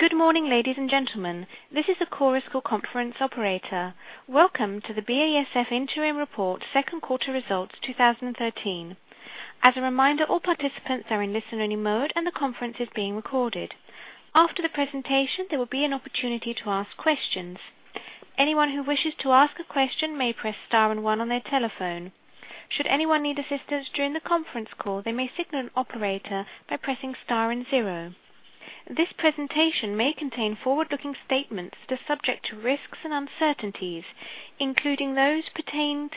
Good morning, ladies and gentlemen. This is the Chorus Call Conference Operator. Welcome to the BASF Interim Report Second Quarter Results 2013. As a reminder, all participants are in listen-only mode, and the conference is being recorded. After the presentation, there will be an opportunity to ask questions. Anyone who wishes to ask a question may press star and one on their telephone. Should anyone need assistance during the conference call, they may signal an operator by pressing star and zero. This presentation may contain forward-looking statements that are subject to risks and uncertainties, including those pertained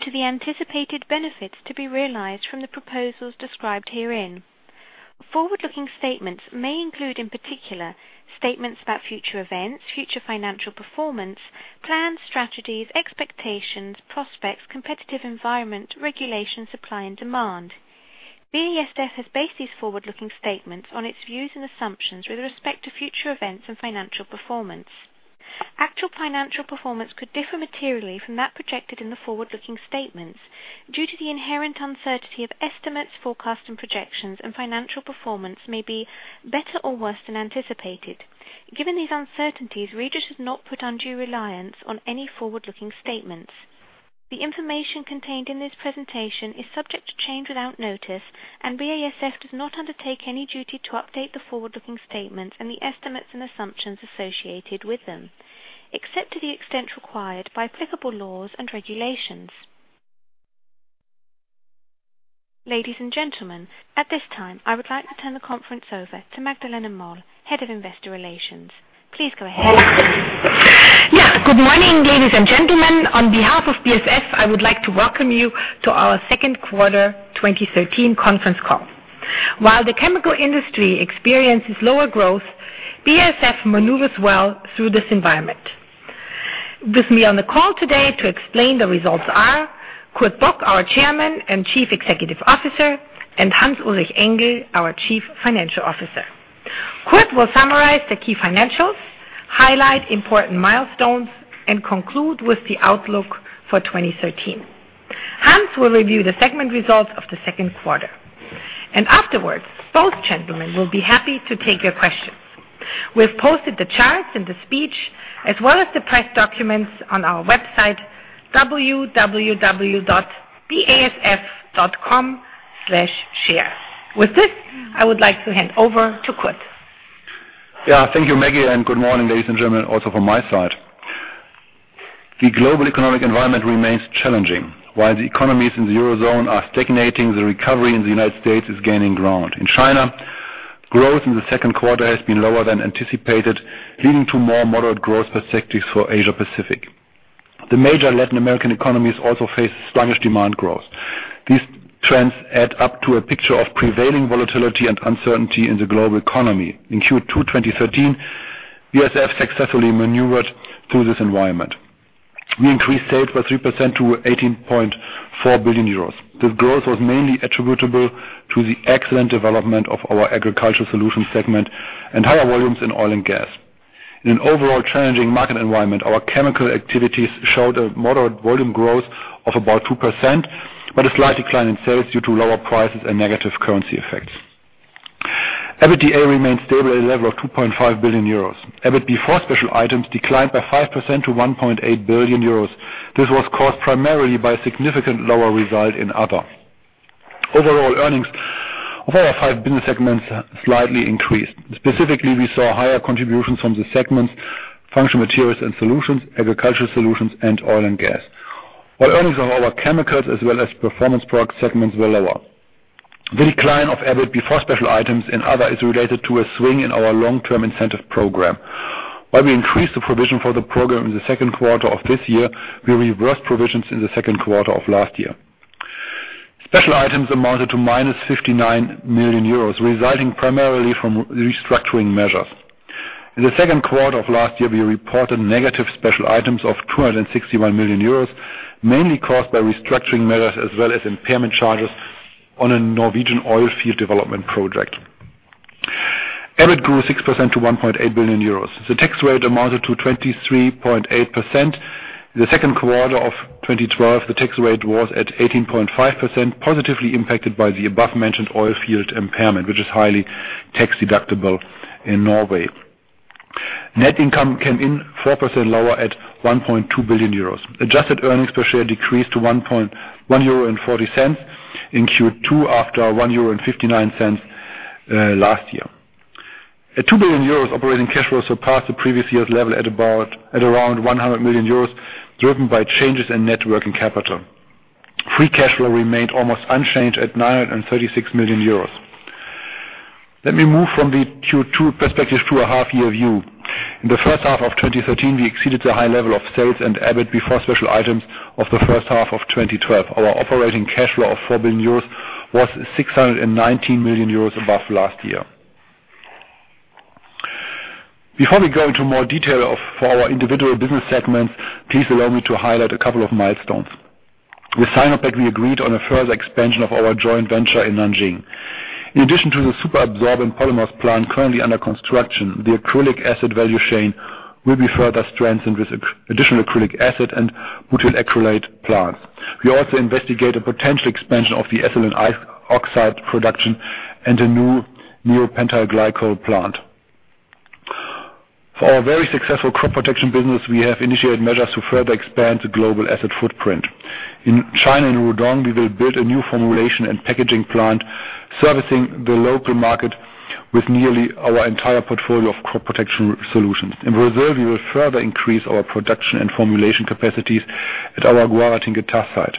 to the anticipated benefits to be realized from the proposals described herein. Forward-looking statements may include, in particular, statements about future events, future financial performance, plans, strategies, expectations, prospects, competitive environment, regulation, supply, and demand. BASF has based these forward-looking statements on its views and assumptions with respect to future events and financial performance. Actual financial performance could differ materially from that projected in the forward-looking statements due to the inherent uncertainty of estimates, forecast, and projections, and financial performance may be better or worse than anticipated. Given these uncertainties, readers should not put undue reliance on any forward-looking statements. The information contained in this presentation is subject to change without notice, and BASF does not undertake any duty to update the forward-looking statements and the estimates and assumptions associated with them, except to the extent required by applicable laws and regulations. Ladies and gentlemen, at this time, I would like to turn the conference over to Magdalena Moll, Head of Investor Relations. Please go ahead. Yeah. Good morning, ladies and gentlemen. On behalf of BASF, I would like to welcome you to our second quarter 2013 conference call. While the chemical industry experiences lower growth, BASF maneuvers well through this environment. With me on the call today to explain the results are Kurt Bock, our Chairman and Chief Executive Officer, and Hans-Ulrich Engel, our Chief Financial Officer. Kurt will summarize the key financials, highlight important milestones, and conclude with the outlook for 2013. Hans will review the segment results of the second quarter. Afterwards, both gentlemen will be happy to take your questions. We've posted the charts and the speech, as well as the press documents on our website, www.basf.com/share. With this, I would like to hand over to Kurt. Yeah. Thank you, Maggie, and good morning, ladies and gentlemen, also from my side. The global economic environment remains challenging. While the economies in the Eurozone are stagnating, the recovery in the United States is gaining ground. In China, growth in the second quarter has been lower than anticipated, leading to more moderate growth perspectives for Asia Pacific. The major Latin American economies also face sluggish demand growth. These trends add up to a picture of prevailing volatility and uncertainty in the global economy. In Q2 2013, BASF successfully maneuvered through this environment. We increased sales by 3% to 18.4 billion euros. The growth was mainly attributable to the excellent development of our Agricultural Solutions segment and higher volumes in Oil & Gas. In an overall challenging market environment, our chemical activities showed a moderate volume growth of about 2%, but a slight decline in sales due to lower prices and negative currency effects. EBITDA remained stable at a level of 2.5 billion euros. EBIT before special items declined by 5% to 1.8 billion euros. This was caused primarily by significant lower results in Other. Overall earnings of our five business segments slightly increased. Specifically, we saw higher contributions from the segments Functional Materials & Solutions, Agricultural Solutions, and Oil & Gas, while earnings of our Chemicals as well as Performance Products segments were lower. The decline of EBIT before special items in Other is related to a swing in our long-term incentive program. While we increased the provision for the program in the second quarter of this year, we reversed provisions in the second quarter of last year. Special items amounted to -59 million euros, resulting primarily from restructuring measures. In the second quarter of last year, we reported negative special items of 261 million euros, mainly caused by restructuring measures as well as impairment charges on a Norwegian oil field development project. EBIT grew 6% to 1.8 billion euros. The tax rate amounted to 23.8%. In the second quarter of 2012, the tax rate was at 18.5%, positively impacted by the above-mentioned oil field impairment, which is highly tax-deductible in Norway. Net income came in 4% lower at 1.2 billion euros. Adjusted earnings per share decreased to 1.40 euro in Q2 after 1.59 euro last year. At 2 billion euros, operating cash flow surpassed the previous year's level at around 100 million euros, driven by changes in net working capital. Free cash flow remained almost unchanged at 936 million euros. Let me move from the Q2 perspective to a half-year view. In the first half of 2013, we exceeded the high level of sales and EBIT before special items of the first half of 2012. Our operating cash flow of 4 billion euros was 619 million euros above last year. Before we go into more detail for our individual business segments, please allow me to highlight a couple of milestones. With Sinopec, we agreed on a further expansion of our joint venture in Nanjing. In addition to the super absorbent polymers plant currently under construction, the acrylic acid value chain will be further strengthened with additional acrylic acid and butyl acrylate plants. We also investigate a potential expansion of the ethylene oxide production and a new neopentyl glycol plant. For our very successful crop protection business, we have initiated measures to further expand the global asset footprint. In China, in Rudong, we will build a new formulation and packaging plant servicing the local market with nearly our entire portfolio of crop protection solutions. In Brazil, we will further increase our production and formulation capacities at our Guaratinguetá site.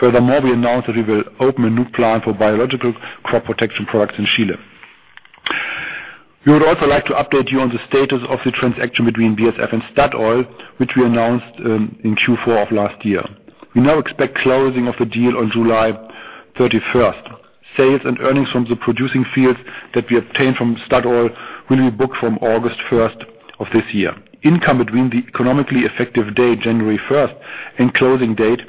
Furthermore, we announced that we will open a new plant for biological crop protection products in Chile. We would also like to update you on the status of the transaction between BASF and Statoil, which we announced in Q4 of last year. We now expect closing of the deal on July 31st. Sales and earnings from the producing fields that we obtained from Statoil will be booked from August 1st of this year. Income between the economically effective day, January 1st, and closing date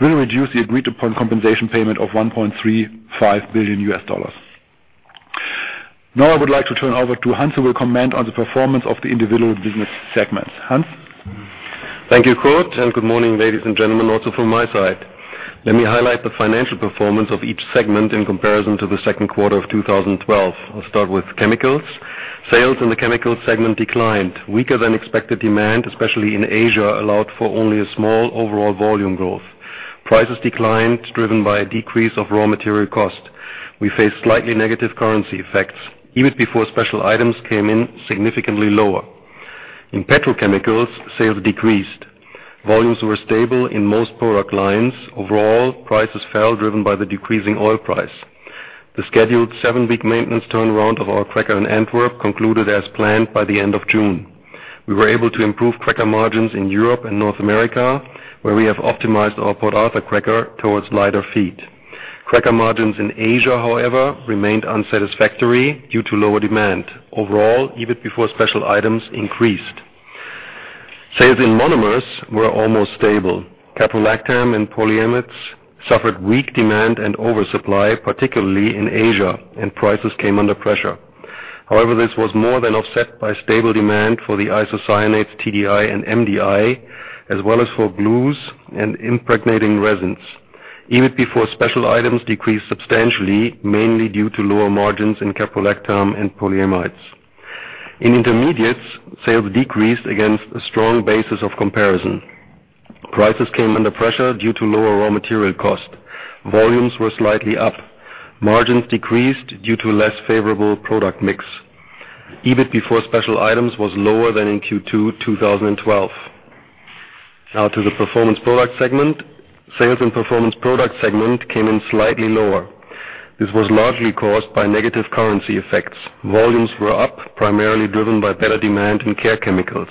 will reduce the agreed-upon compensation payment of $1.35 billion. Now I would like to turn over to Hans, who will comment on the performance of the individual business segments. Hans? Thank you, Kurt, and good morning, ladies and gentlemen also from my side. Let me highlight the financial performance of each segment in comparison to the second quarter of 2012. I'll start with Chemicals. Sales in the Chemicals segment declined. Weaker-than-expected demand, especially in Asia, allowed for only a small overall volume growth. Prices declined, driven by a decrease of raw material cost. We faced slightly negative currency effects. EBIT before special items came in significantly lower. In Petrochemicals, sales decreased. Volumes were stable in most product lines. Overall, prices fell, driven by the decreasing oil price. The scheduled seven week maintenance turnaround of our cracker in Antwerp concluded as planned by the end of June. We were able to improve cracker margins in Europe and North America, where we have optimized our Port Arthur cracker towards lighter feed. Cracker margins in Asia, however, remained unsatisfactory due to lower demand. Overall, EBIT before special items increased. Sales in Monomers were almost stable. caprolactam and polyamides suffered weak demand and oversupply, particularly in Asia, and prices came under pressure. However, this was more than offset by stable demand for the isocyanates TDI and MDI, as well as for glues and impregnating resins. EBIT before special items decreased substantially, mainly due to lower margins in caprolactam and polyamides. In Intermediates, sales decreased against a strong basis of comparison. Prices came under pressure due to lower raw material cost. Volumes were slightly up. Margins decreased due to less favorable product mix. EBIT before special items was lower than in Q2 2012. Now to the Performance Products segment. Sales in Performance Products segment came in slightly lower. This was largely caused by negative currency effects. Volumes were up, primarily driven by better demand in Care Chemicals.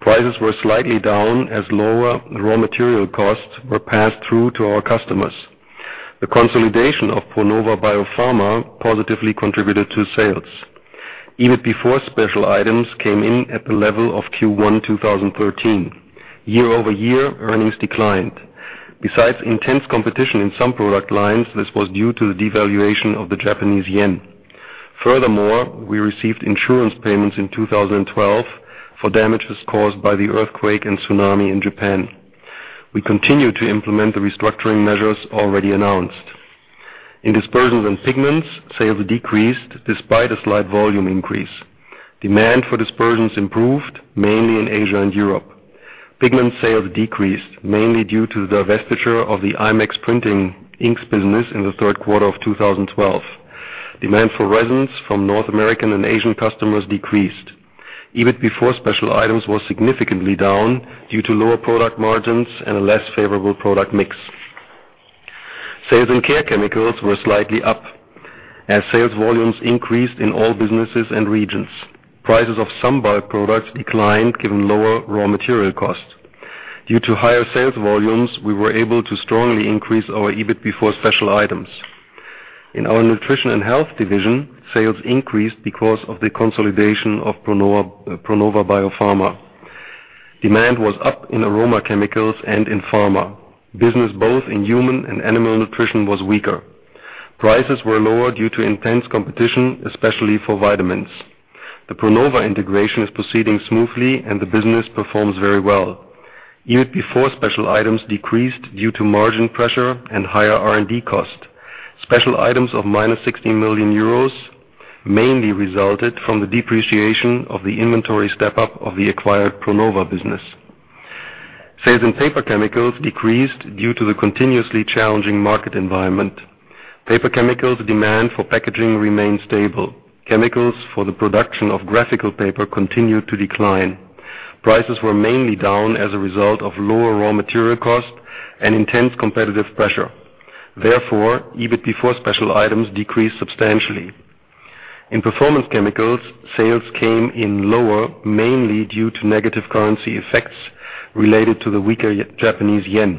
Prices were slightly down as lower raw material costs were passed through to our customers. The consolidation of Pronova BioPharma positively contributed to sales. EBIT before special items came in at the level of Q1 2013. Year-over-year, earnings declined. Besides intense competition in some product lines, this was due to the devaluation of the Japanese yen. Furthermore, we received insurance payments in 2012 for damages caused by the earthquake and tsunami in Japan. We continue to implement the restructuring measures already announced. In Dispersions & Pigments, sales decreased despite a slight volume increase. Demand for dispersions improved, mainly in Asia and Europe. Pigment sales decreased, mainly due to the divestiture of the Imex printing inks business in the third quarter of 2012. Demand for resins from North American and Asian customers decreased. EBIT before special items was significantly down due to lower product margins and a less favorable product mix. Sales in Care Chemicals were slightly up as sales volumes increased in all businesses and regions. Prices of some bulk products declined given lower raw material cost. Due to higher sales volumes, we were able to strongly increase our EBIT before special items. In our Nutrition and Health division, sales increased because of the consolidation of Pronova BioPharma. Demand was up in aroma chemicals and in pharma. Business both in human and animal nutrition was weaker. Prices were lower due to intense competition, especially for vitamins. The Pronova integration is proceeding smoothly, and the business performs very well. EBIT before special items decreased due to margin pressure and higher R&D cost. Special items of -60 million euros mainly resulted from the depreciation of the inventory step-up of the acquired Pronova business. Sales in Paper Chemicals decreased due to the continuously challenging market environment. Paper Chemicals demand for packaging remained stable. Chemicals for the production of graphic paper continued to decline. Prices were mainly down as a result of lower raw material cost and intense competitive pressure. Therefore, EBIT before special items decreased substantially. In Performance Chemicals, sales came in lower, mainly due to negative currency effects related to the weaker Japanese yen.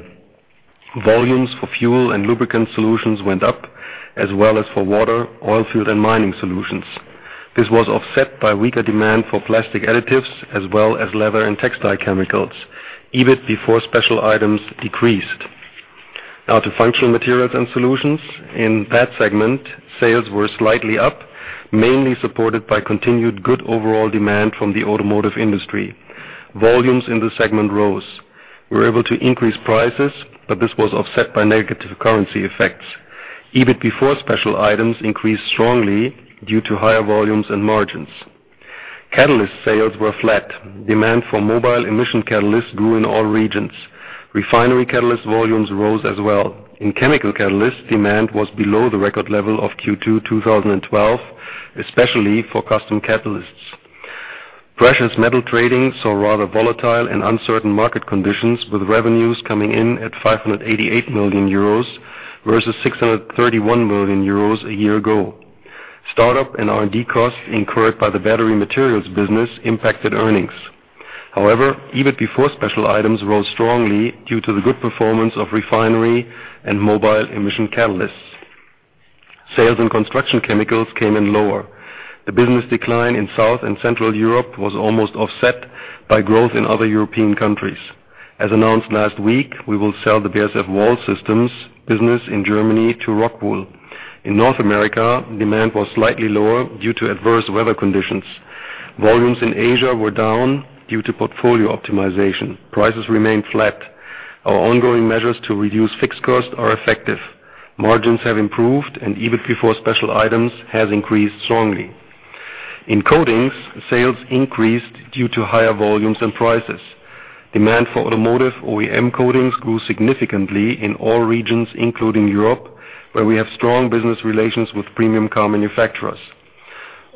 Volumes for fuel and lubricant solutions went up as well as for water, oil field, and mining solutions. This was offset by weaker demand for plastic additives as well as leather and textile chemicals. EBIT before special items decreased. Now to Functional Materials & Solutions. In that segment, sales were slightly up, mainly supported by continued good overall demand from the automotive industry. Volumes in the segment rose. We were able to increase prices, but this was offset by negative currency effects. EBIT before special items increased strongly due to higher volumes and margins. Catalyst sales were flat. Demand for mobile emission catalysts grew in all regions. Refinery catalyst volumes rose as well. In chemical catalysts, demand was below the record level of Q2 2012, especially for custom catalysts. Precious metal trading saw rather volatile and uncertain market conditions, with revenues coming in at 588 million euros versus 631 million euros a year ago. Startup and R&D costs incurred by the battery materials business impacted earnings. However, EBIT before special items rose strongly due to the good performance of refinery and mobile emission catalysts. Sales in Construction Chemicals came in lower. The business decline in South and Central Europe was almost offset by growth in other European countries. As announced last week, we will sell the BASF Wall Systems business in Germany to ROCKWOOL. In North America, demand was slightly lower due to adverse weather conditions. Volumes in Asia were down due to portfolio optimization. Prices remained flat. Our ongoing measures to reduce fixed costs are effective. Margins have improved and EBIT before special items has increased strongly. In Coatings, sales increased due to higher volumes and prices. Demand for automotive OEM coatings grew significantly in all regions, including Europe, where we have strong business relations with premium car manufacturers.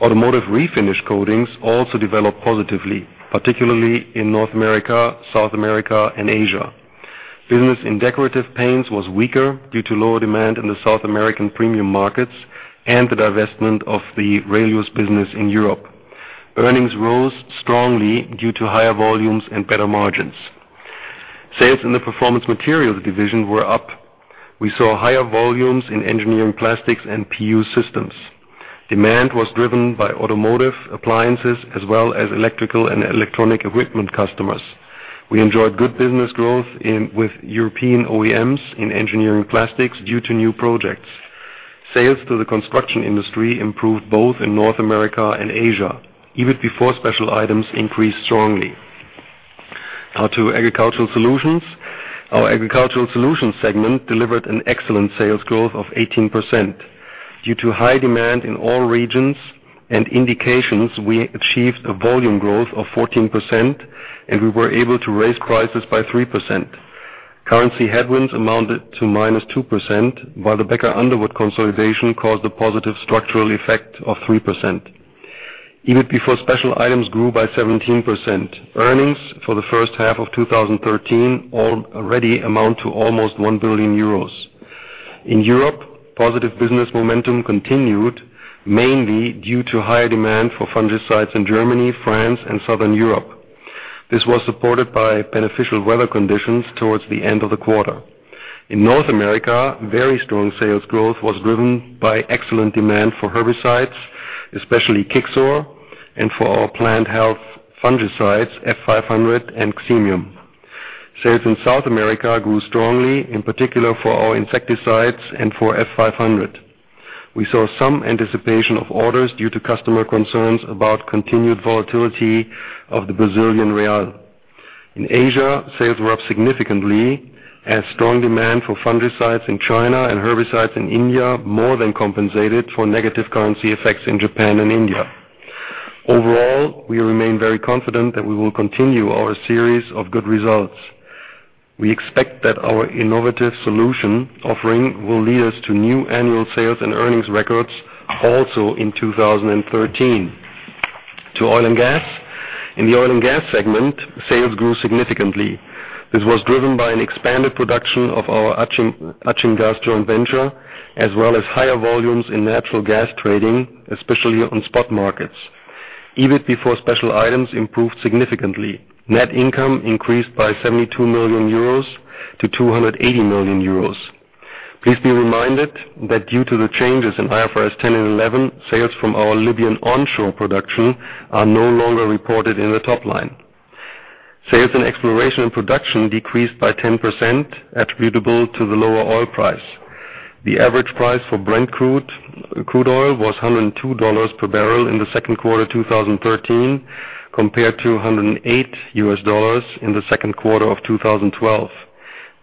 Automotive refinish coatings also developed positively, particularly in North America, South America, and Asia. Business in decorative paints was weaker due to lower demand in the South American premium markets and the divestment of the Relius business in Europe. Earnings rose strongly due to higher volumes and better margins. Sales in the Performance Materials division were up. We saw higher volumes in engineering plastics and PU systems. Demand was driven by automotive appliances as well as electrical and electronic equipment customers. We enjoyed good business growth with European OEMs in engineering plastics due to new projects. Sales to the construction industry improved both in North America and Asia. EBIT before special items increased strongly. Now to Agricultural Solutions. Our Agricultural Solutions segment delivered an excellent sales growth of 18%. Due to high demand in all regions and indications, we achieved a volume growth of 14%, and we were able to raise prices by 3%. Currency headwinds amounted to -2%, while the Becker Underwood consolidation caused a positive structural effect of 3%. EBIT before special items grew by 17%. Earnings for the first half of 2013 already amount to almost 1 billion euros. In Europe, positive business momentum continued, mainly due to higher demand for fungicides in Germany, France, and Southern Europe. This was supported by beneficial weather conditions towards the end of the quarter. In North America, very strong sales growth was driven by excellent demand for herbicides, especially Kixor, and for our plant health fungicides, F500 and Xemium. Sales in South America grew strongly, in particular for our insecticides and for F500. We saw some anticipation of orders due to customer concerns about continued volatility of the Brazilian real. In Asia, sales were up significantly as strong demand for fungicides in China and herbicides in India more than compensated for negative currency effects in Japan and India. Overall, we remain very confident that we will continue our series of good results. We expect that our innovative solution offering will lead us to new annual sales and earnings records also in 2013. To Oil & Gas. In the Oil & Gas segment, sales grew significantly. This was driven by an expanded production of our Achimgaz joint venture, as well as higher volumes in natural gas trading, especially on spot markets. EBIT before special items improved significantly. Net income increased by 72 million euros to 280 million euros. Please be reminded that due to the changes in IFRS 10 and 11, sales from our Libyan onshore production are no longer reported in the top line. Sales in Exploration and Production decreased by 10% attributable to the lower oil price. The average price for Brent crude oil was $102 per barrel in the second quarter 2013, compared to $108 in the second quarter of 2012.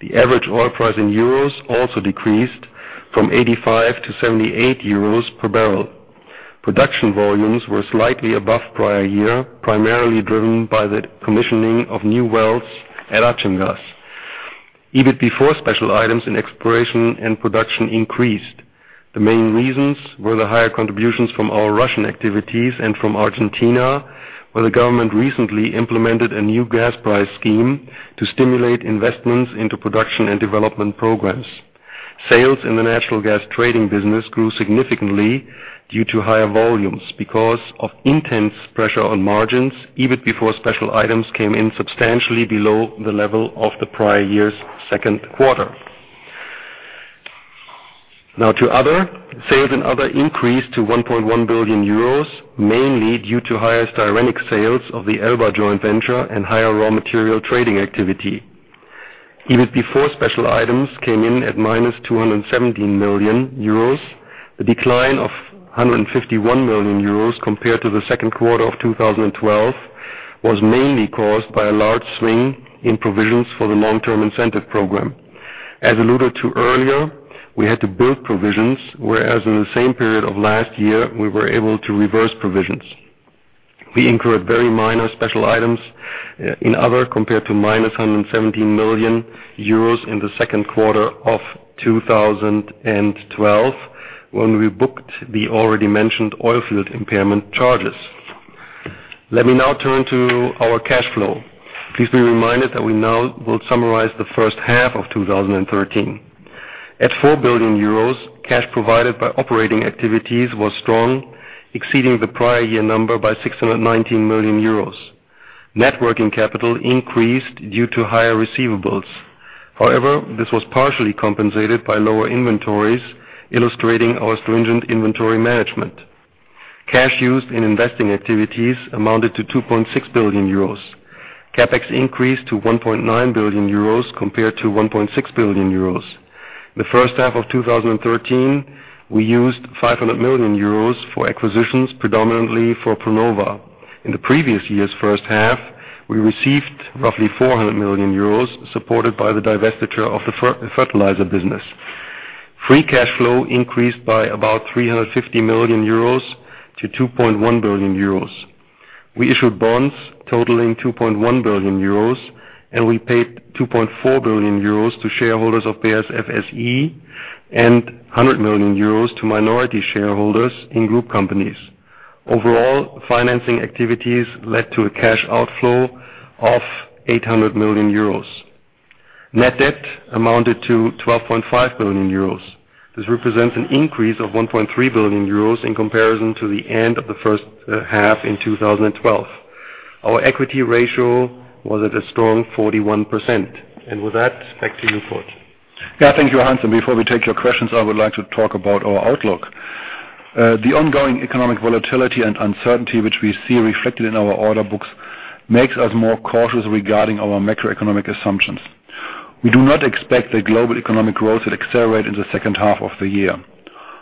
The average oil price in euros also decreased from 85 to 78 euros per barrel. Production volumes were slightly above prior year, primarily driven by the commissioning of new wells at Achimgaz. EBIT before special items in Exploration and Production increased. The main reasons were the higher contributions from our Russian activities and from Argentina, where the government recently implemented a new gas price scheme to stimulate investments into production and development programs. Sales in the natural gas trading business grew significantly due to higher volumes. Because of intense pressure on margins, EBIT before special items came in substantially below the level of the prior year's second quarter. Now to other. Sales and other increased to 1.1 billion euros, mainly due to higher styrenic sales of the Ellba joint venture and higher raw material trading activity. EBIT before special items came in at -217 million euros. The decline of 151 million euros compared to the second quarter of 2012 was mainly caused by a large swing in provisions for the long-term incentive program. As alluded to earlier, we had to build provisions, whereas in the same period of last year, we were able to reverse provisions. We incurred very minor special items in other compared to -117 million euros in the second quarter of 2012, when we booked the already mentioned oil field impairment charges. Let me now turn to our cash flow. Please be reminded that we now will summarize the first half of 2013. At 4 billion euros, cash provided by operating activities was strong, exceeding the prior year number by 619 million euros. Net working capital increased due to higher receivables. However, this was partially compensated by lower inventories, illustrating our stringent inventory management. Cash used in investing activities amounted to 2.6 billion euros. CapEx increased to 1.9 billion euros compared to 1.6 billion euros. The first half of 2013, we used 500 million euros for acquisitions, predominantly for Pronova. In the previous year's first half, we received roughly 400 million euros, supported by the divestiture of the fertilizer business. Free cash flow increased by about 350 million euros to 2.1 billion euros. We issued bonds totaling 2.1 billion euros, and we paid 2.4 billion euros to shareholders of BASF SE and 100 million euros to minority shareholders in group companies. Overall, financing activities led to a cash outflow of 800 million euros. Net debt amounted to 12.5 billion euros. This represents an increase of 1.3 billion euros in comparison to the end of the first half in 2012. Our equity ratio was at a strong 41%. With that, back to you, Volkmar. Yeah, thank you, Hans. Before we take your questions, I would like to talk about our outlook. The ongoing economic volatility and uncertainty, which we see reflected in our order books, makes us more cautious regarding our macroeconomic assumptions. We do not expect the global economic growth to accelerate in the second half of the year.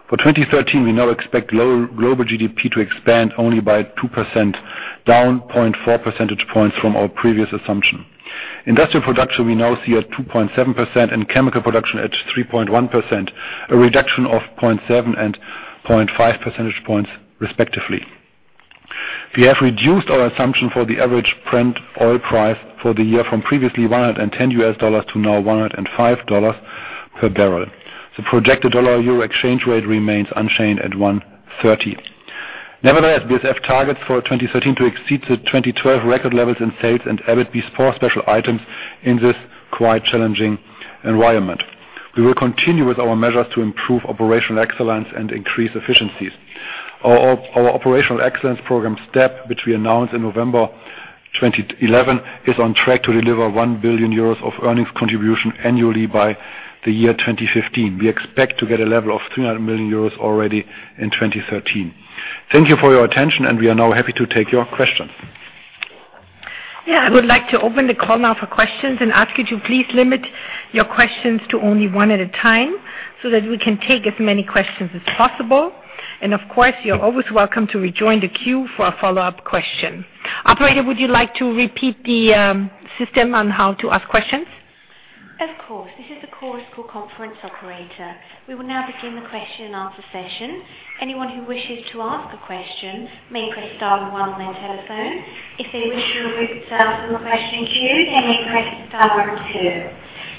For 2013, we now expect global GDP to expand only by 2%, down 0.4 percentage points from our previous assumption. Industrial production we now see at 2.7% and chemical production at 3.1%, a reduction of 0.7 and 0.5 percentage points, respectively. We have reduced our assumption for the average Brent oil price for the year from previously $110 to now $105 per barrel. The projected dollar-euro exchange rate remains unchanged at 1.30. Nevertheless, we have targets for 2013 to exceed the 2012 record levels in sales and EBIT before special items in this quite challenging environment. We will continue with our measures to improve operational excellence and increase efficiencies. Our operational excellence program STEP, which we announced in November 2011, is on track to deliver 1 billion euros of earnings contribution annually by the year 2015. We expect to get a level of 300 million euros already in 2013. Thank you for your attention, and we are now happy to take your questions. Yeah, I would like to open the call now for questions and ask you to please limit your questions to only one at a time so that we can take as many questions as possible. Of course, you're always welcome to rejoin the queue for a follow-up question. Operator, would you like to repeat the system on how to ask questions? Of course. This is the Chorus Call conference operator. We will now begin the question and answer session. Anyone who wishes to ask a question may press star and one on their telephone. If they wish to remove themselves from the question queue, they may press star and two.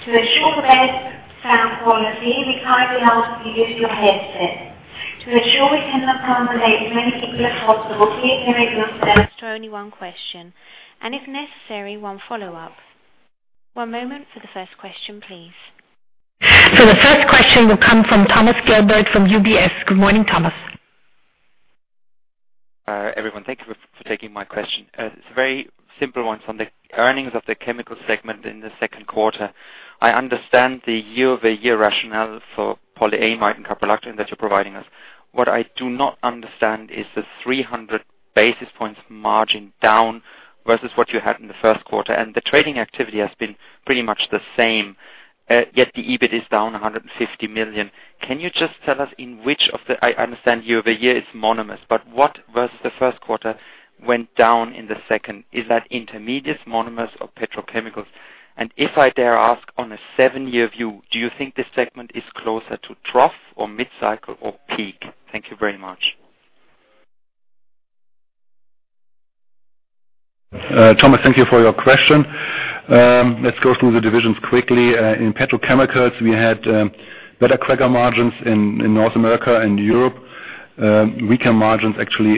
To ensure the best sound quality, we kindly ask that you use your headset. To ensure we can accommodate as many people as possible, please limit yourself to only one question and if necessary, one follow-up. One moment for the first question, please. The first question will come from Thomas Gilbert from UBS. Good morning, Thomas. Everyone, thank you for taking my question. It's a very simple one from the earnings of the Chemicals segment in the second quarter. I understand the year-over-year rationale for polyamide and caprolactam that you're providing us. What I do not understand is the 300 basis points margin down versus what you had in the first quarter, and the trading activity has been pretty much the same, yet the EBIT is down 150 million. Can you just tell us in which of the... I understand year over year it's Monomers, but what versus the first quarter went down in the second? Is that Intermediates, Monomers or Petrochemicals? If I dare ask on a seven year view, do you think this segment is closer to trough or mid-cycle or peak? Thank you very much. Thomas, thank you for your question. Let's go through the divisions quickly. In petrochemicals, we had better cracker margins in North America and Europe. Weaker margins actually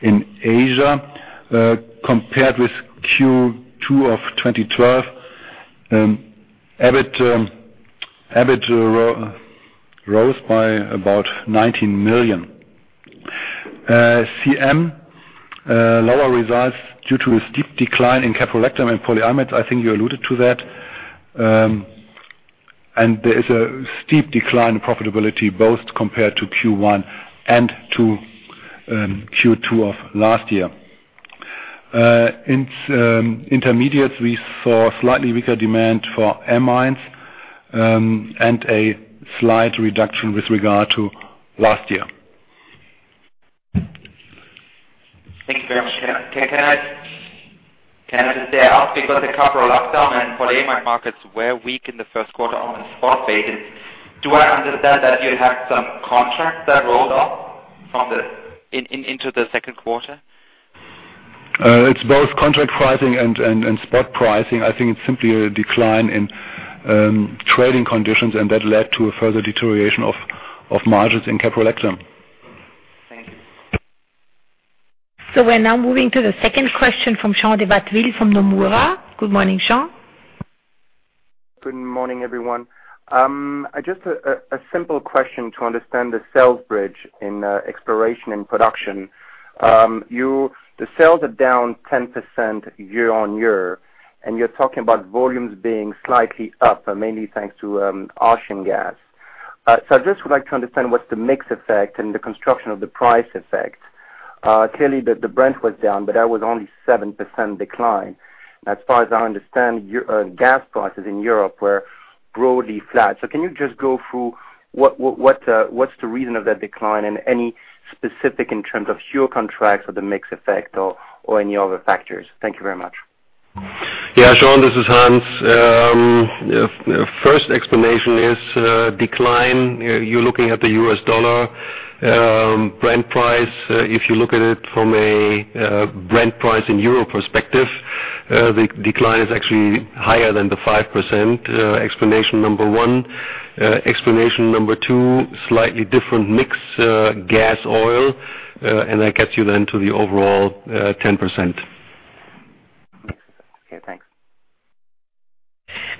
in Asia compared with Q2 of 2012. EBIT rose by about EUR 19 million. Monomers, lower results due to a steep decline in caprolactam and polyamide. I think you alluded to that. There is a steep decline in profitability both compared to Q1 and to Q2 of last year. In Intermediates, we saw slightly weaker demand for amines and a slight reduction with regard to last year. Thank you very much. Can I just add, because the caprolactam and polyamide markets were weak in the first quarter on a spot basis, do I understand that you have some contracts that rolled off into the second quarter? It's both contract pricing and spot pricing. I think it's simply a decline in trading conditions, and that led to a further deterioration of margins in Caprolactam. Thank you. We're now moving to the second question from Jean de Watteville from Nomura. Good morning, Jean. Good morning, everyone. I just have a simple question to understand the sales bridge in Exploration and Production. The sales are down 10% year-on-year, and you're talking about volumes being slightly up, mainly thanks to Russian gas. I just would like to understand what's the mix effect and the construction of the price effect. Clearly, the Brent was down, but that was only 7% decline. As far as I understand, gas prices in Europe were broadly flat. Can you just go through what's the reason of that decline and any specific in terms of fuel contracts or the mix effect or any other factors? Thank you very much. Yeah, Jean, this is Hans. The first explanation is decline. You're looking at the US dollar Brent price. If you look at it from a Brent price in euro perspective, the decline is actually higher than the 5%, explanation number one. Explanation number two, slightly different mix, gas oil, and that gets you then to the overall 10%. Okay, thanks.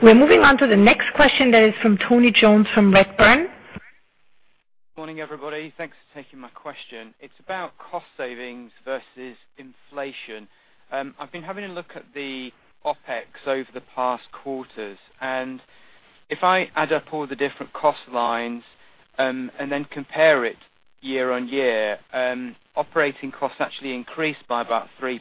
We're moving on to the next question that is from Tony Jones from Redburn. Morning, everybody. Thanks for taking my question. It's about cost savings versus inflation. I've been having a look at the OpEx over the past quarters, and if I add up all the different cost lines, and then compare it year-on-year, operating costs actually increased by about 3%.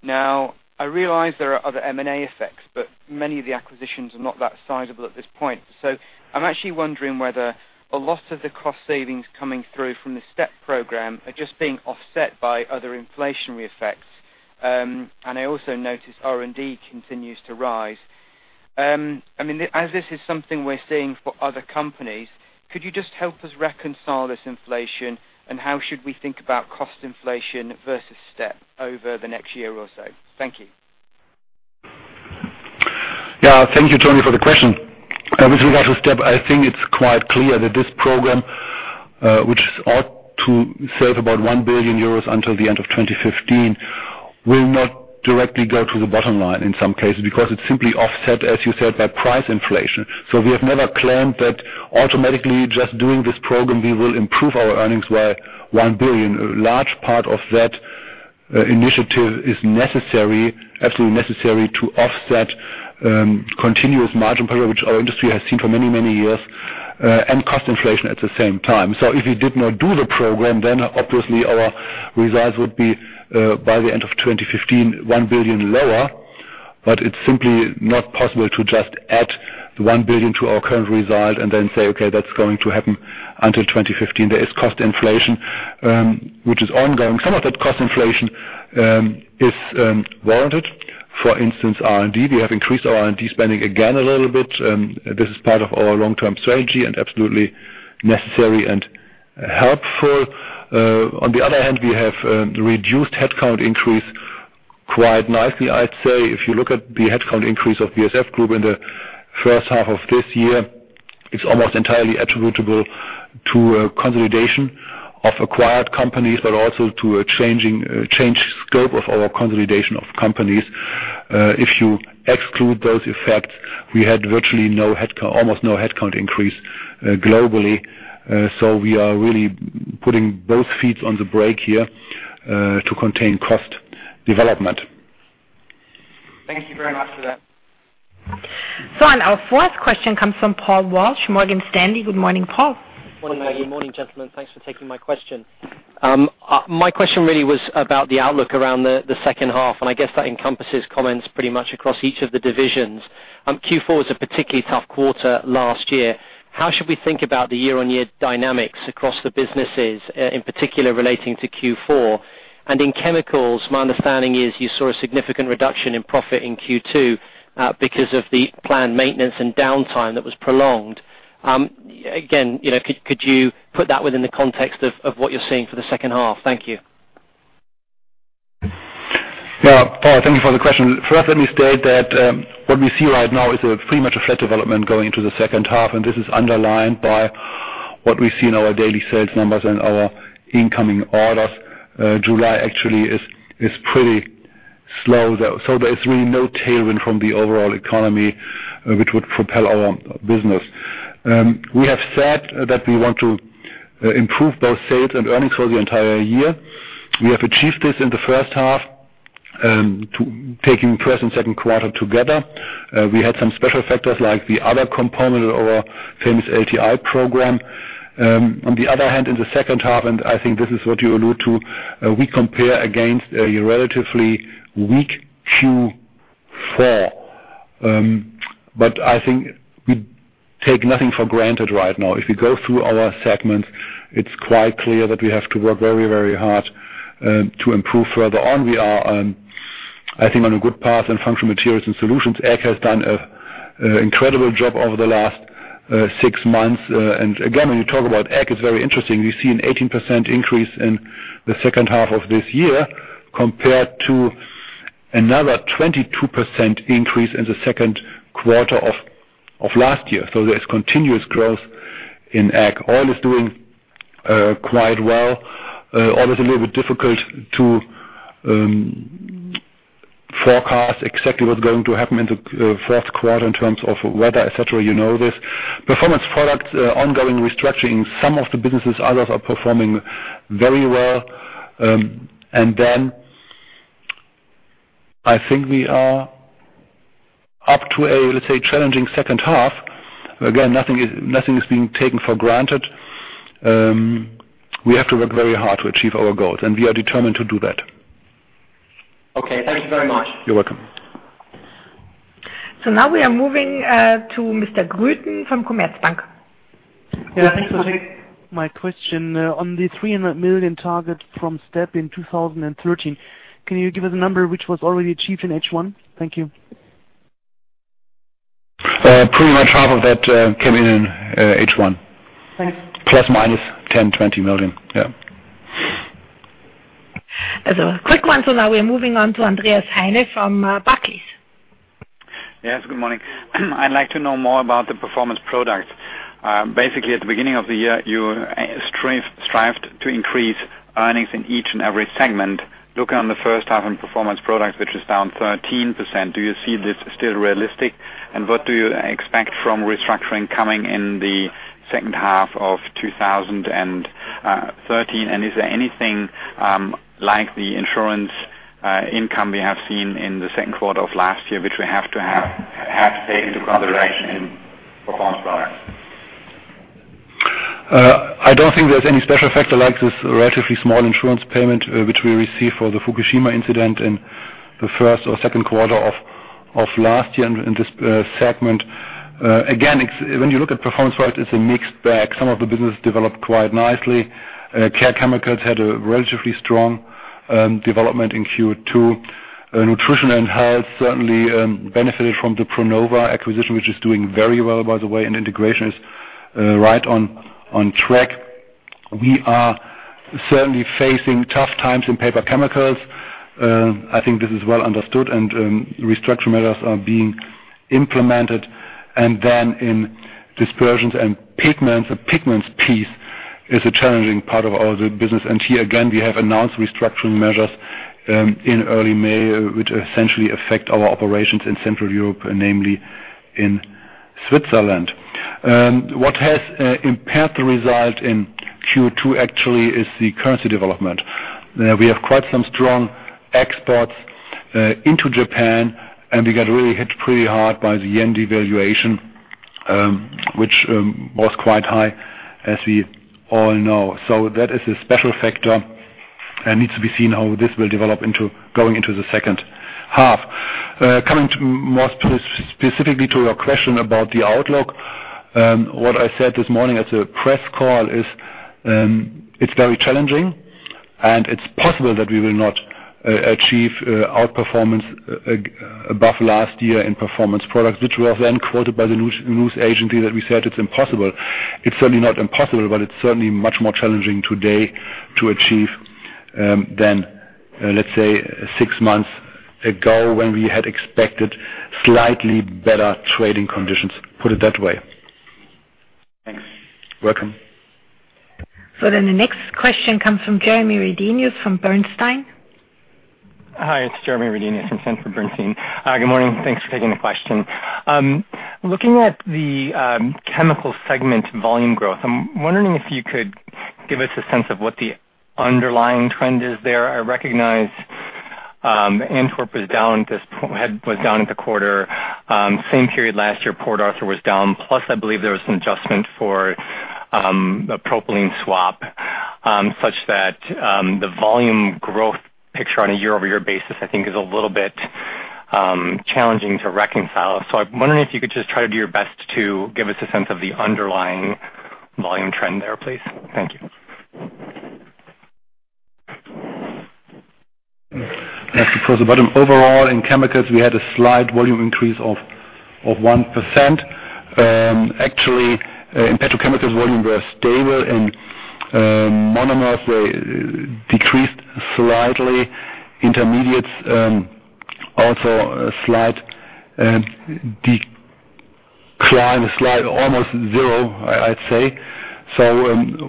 Now, I realize there are other M&A effects, but many of the acquisitions are not that sizable at this point. I'm actually wondering whether a lot of the cost savings coming through from the STEP program are just being offset by other inflationary effects. I also notice R&D continues to rise. I mean, as this is something we're seeing for other companies, could you just help us reconcile this inflation? How should we think about cost inflation versus STEP over the next year or so? Thank you. Yeah. Thank you, Tony, for the question. With regard to STEP, I think it's quite clear that this program, which ought to save about 1 billion euros until the end of 2015, will not directly go to the bottom line in some cases because it's simply offset, as you said, by price inflation. We have never claimed that automatically just doing this program, we will improve our earnings by 1 billion. A large part of that initiative is necessary, absolutely necessary to offset continuous margin pressure, which our industry has seen for many, many years, and cost inflation at the same time. If we did not do the program, then obviously our results would be, by the end of 2015, 1 billion lower. It's simply not possible to just add the 1 billion to our current result and then say, okay, that's going to happen until 2015. There is cost inflation which is ongoing. Some of that cost inflation is warranted. For instance, R&D. We have increased our R&D spending again a little bit, and this is part of our long-term strategy and absolutely necessary and helpful. On the other hand, we have reduced headcount increase quite nicely. I'd say if you look at the headcount increase of BASF Group in the first half of this year, it's almost entirely attributable to a consolidation of acquired companies, but also to a changed scope of our consolidation of companies. If you exclude those effects, we had virtually no headcount, almost no headcount increase globally. We are really putting both feet on the brake here to contain cost development. Thank you very much for that. On our fourth question comes from Paul Walsh, Morgan Stanley. Good morning, Paul. Good morning. Good morning, gentlemen. Thanks for taking my question. My question really was about the outlook around the second half, and I guess that encompasses comments pretty much across each of the divisions. Q4 was a particularly tough quarter last year. How should we think about the year-on-year dynamics across the businesses, in particular relating to Q4? In Chemicals, my understanding is you saw a significant reduction in profit in Q2, because of the planned maintenance and downtime that was prolonged. Again, you know, could you put that within the context of what you're seeing for the second half? Thank you. Yeah. Paul, thank you for the question. First, let me state that what we see right now is a pretty much a flat development going into the second half, and this is underlined by what we see in our daily sales numbers and our incoming orders. July actually is pretty slow, though. So there's really no tailwind from the overall economy, which would propel our business. We have said that we want to improve both sales and earnings for the entire year. We have achieved this in the first half, taking first and second quarter together. We had some special factors like the other component of our famous LTI program. On the other hand, in the second half, and I think this is what you allude to, we compare against a relatively weak Q4. I think we take nothing for granted right now. If you go through our segments, it's quite clear that we have to work very, very hard to improve further on. We are, I think, on a good path in Functional Materials & Solutions. AG has done an incredible job over the last six months. Again, when you talk about AG, it's very interesting. We see an 18% increase in the second half of this year compared to another 22% increase in the second quarter of last year. There's continuous growth in AG. Oil is doing quite well. Oil is a little bit difficult to forecast exactly what's going to happen in the fourth quarter in terms of weather, et cetera. You know this. Performance Products, ongoing restructuring some of the businesses. Others are performing very well. I think we are up to a, let's say, challenging second half. Again, nothing is being taken for granted. We have to work very hard to achieve our goals, and we are determined to do that. Okay. Thank you very much. You're welcome. Now we are moving to Mr. Lutz Grueten from Commerzbank. Yeah. Thanks for taking my question. On the 300 million target from STEP in 2013, can you give us a number which was already achieved in H1? Thank you. Pretty much half of that came in H1. Thanks. ±EUR 10-20 million. Yeah. That's a quick one. Now we're moving on to Andreas Heine from Barclays. Yes. Good morning. I'd like to know more about the Performance Products. Basically, at the beginning of the year, you strived to increase earnings in each and every segment. Looking at the first half in Performance Products, which is down 13%, do you see this still realistic? What do you expect from restructuring coming in the second half of 2013? Is there anything like the insurance income we have seen in the second quarter of last year, which we have to take into consideration in Performance Products? I don't think there's any special factor like this relatively small insurance payment, which we received for the Fukushima incident in the first or second quarter of last year in this segment. Again, it's— When you look at Performance Products, it's a mixed bag. Some of the business developed quite nicely. Care Chemicals had a relatively strong development in Q2. Nutrition and Health certainly benefited from the Pronova acquisition, which is doing very well by the way, and integration is right on track. We are certainly facing tough times in Paper Chemicals. I think this is well understood and restructure measures are being implemented. Then in Dispersions and Pigments, the pigments piece is a challenging part of our business. Here again, we have announced restructuring measures in early May, which essentially affect our operations in Central Europe, namely in Switzerland. What has impaired the result in Q2 actually is the currency development. We have quite some strong exports into Japan, and we got really hit pretty hard by the yen devaluation, which was quite high, as we all know. That is a special factor and needs to be seen how this will develop into going into the second half. Coming to more specifically to your question about the outlook, what I said this morning at the press call is, it's very challenging, and it's possible that we will not achieve outperformance above last year in Performance Products, which was then quoted by the news agency that we said it's impossible. It's certainly not impossible, but it's certainly much more challenging today to achieve than, let's say, six months ago when we had expected slightly better trading conditions. Put it that way. Thanks. Welcome. The next question comes from Jeremy Redenius from Bernstein. Hi, it's Jeremy Redenius from Bernstein. Good morning. Thanks for taking the question. Looking at the Chemicals segment volume growth, I'm wondering if you could give us a sense of what the underlying trend is there. I recognize Antwerp was down in the quarter. Same period last year, Port Arthur was down. Plus, I believe there was an adjustment for a propylene swap such that the volume growth picture on a year-over-year basis, I think is a little bit challenging to reconcile. I'm wondering if you could just try to do your best to give us a sense of the underlying volume trend there, please. Thank you. That's across the bottom. Overall, in Chemicals, we had a slight volume increase of 1%. Actually, in Petrochemicals, volume were stable. In Monomers, they decreased slightly. Intermediates also a slight decline is like almost zero, I'd say.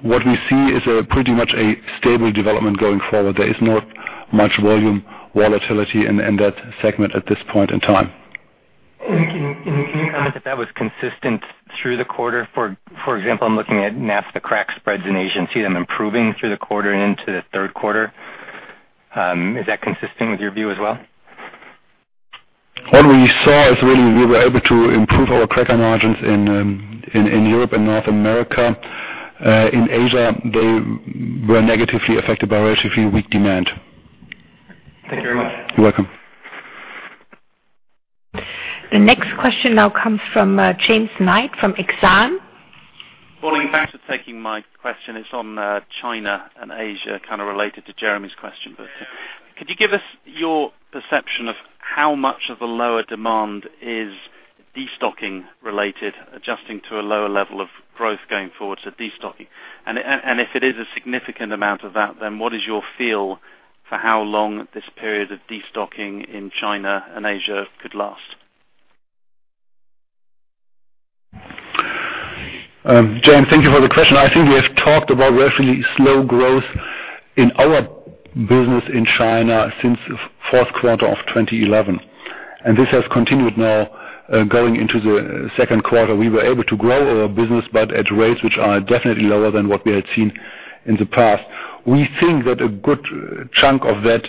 What we see is pretty much a stable development going forward. There is not much volume volatility in that segment at this point in time. Can you comment if that was consistent through the quarter, for example, I'm looking at naphtha crack spreads in Asia and see them improving through the quarter and into the third quarter. Is that consistent with your view as well? What we saw is really we were able to improve our cracker margins in Europe and North America. In Asia, they were negatively affected by relatively weak demand. Thank you very much. You're welcome. The next question now comes from James Knight from Exane. Morning. Thanks for taking my question. It's on, China and Asia, kind of related to Jeremy's question. Could you give us your perception of how much of the lower demand is destocking related, adjusting to a lower level of growth going forward, so destocking? If it is a significant amount of that, then what is your feel for how long this period of destocking in China and Asia could last? James, thank you for the question. I think we have talked about relatively slow growth in our business in China since fourth quarter of 2011, and this has continued now, going into the second quarter. We were able to grow our business, but at rates which are definitely lower than what we had seen in the past. We think that a good chunk of that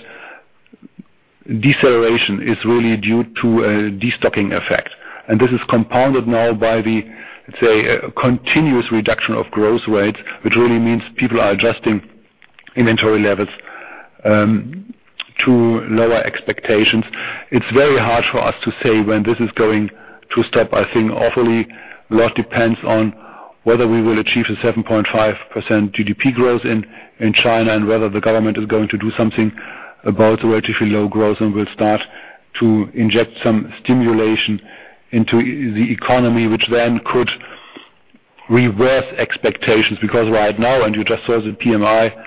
deceleration is really due to a destocking effect, and this is compounded now by the, say, a continuous reduction of growth rates, which really means people are adjusting inventory levels, to lower expectations. It's very hard for us to say when this is going to stop. I think a whole lot depends on whether we will achieve the 7.5% GDP growth in China and whether the government is going to do something about the relatively low growth and will start to inject some stimulation into the economy, which then could reverse expectations. Because right now, and you just saw the PMI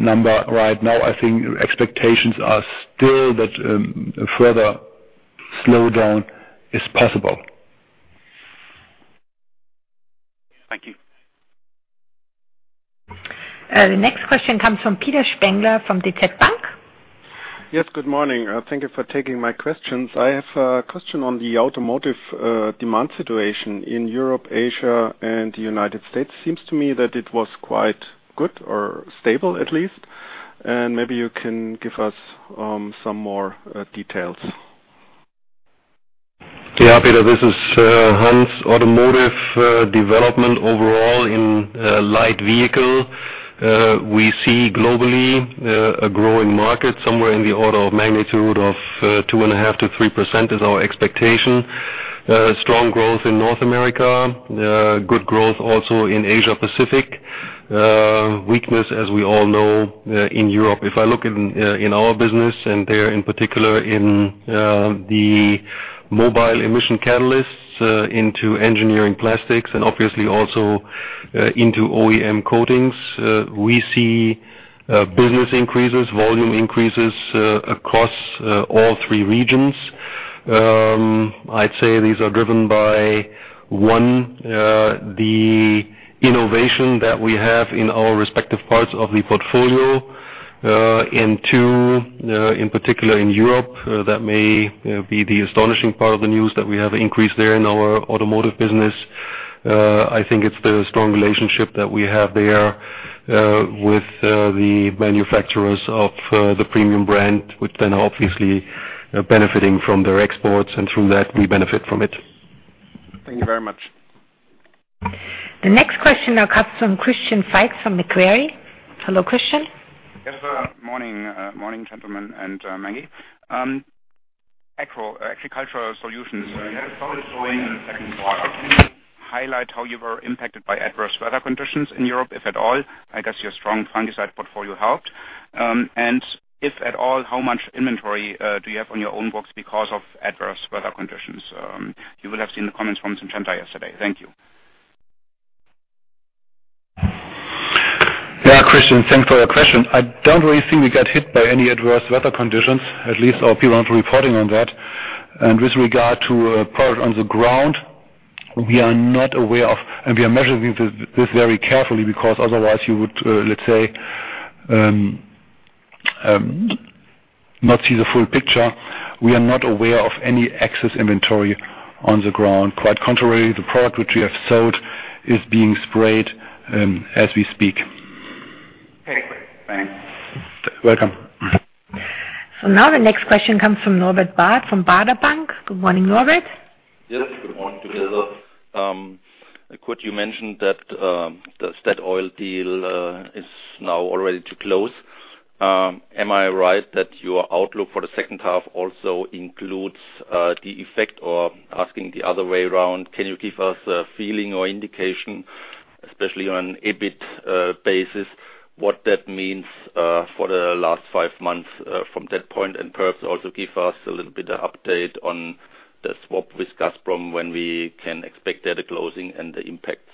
number right now, I think expectations are still that a further slowdown is possible. Thank you. The next question comes from Peter Spengler from DZ Bank. Yes, good morning. Thank you for taking my questions. I have a question on the automotive demand situation in Europe, Asia, and the United States. Seems to me that it was quite good or stable at least, and maybe you can give us some more details. Yeah, Peter, this is Hans. Automotive development overall in light vehicle we see globally a growing market somewhere in the order of magnitude of 2.5%-3% is our expectation. Strong growth in North America. Good growth also in Asia-Pacific. Weakness, as we all know, in Europe. If I look in our business and there in particular in the mobile emission catalysts, into engineering plastics and obviously also into OEM coatings, we see business increases, volume increases across all three regions. I'd say these are driven by, one, the innovation that we have in our respective parts of the portfolio. Too, in particular in Europe, that may be the astonishing part of the news that we have increased there in our automotive business. I think it's the strong relationship that we have there with the manufacturers of the premium brand, which then are obviously benefiting from their exports, and through that, we benefit from it. Thank you very much. The next question now comes from Christian Faitz from Macquarie. Hello, Christian. Yes, morning, gentlemen, and Maggie. Agricultural Solutions. You have growth going in the second quarter. Can you highlight how you were impacted by adverse weather conditions in Europe, if at all? I guess your strong fungicide portfolio helped. And if at all, how much inventory do you have on your own books because of adverse weather conditions? You will have seen the comments from Syngenta yesterday. Thank you. Yeah, Christian, thanks for your question. I don't really think we got hit by any adverse weather conditions, at least our people aren't reporting on that. With regard to product on the ground, we are not aware of, and we are measuring this very carefully because otherwise you would, let's say, not see the full picture. We are not aware of any excess inventory on the ground. Quite contrary, the product which we have sold is being sprayed as we speak. Okay, great. Thanks. You're welcome. Now the next question comes from Norbert Barth from Baader Bank. Good morning, Norbert. Yes, good morning to you both. Could you mention that the Statoil deal is now already to close? Am I right that your outlook for the second half also includes the effect? Or asking the other way around, can you give us a feeling or indication, especially on EBIT basis, what that means for the last five months from that point? Perhaps also give us a little bit of update on the swap with Gazprom when we can expect the closing and the impacts.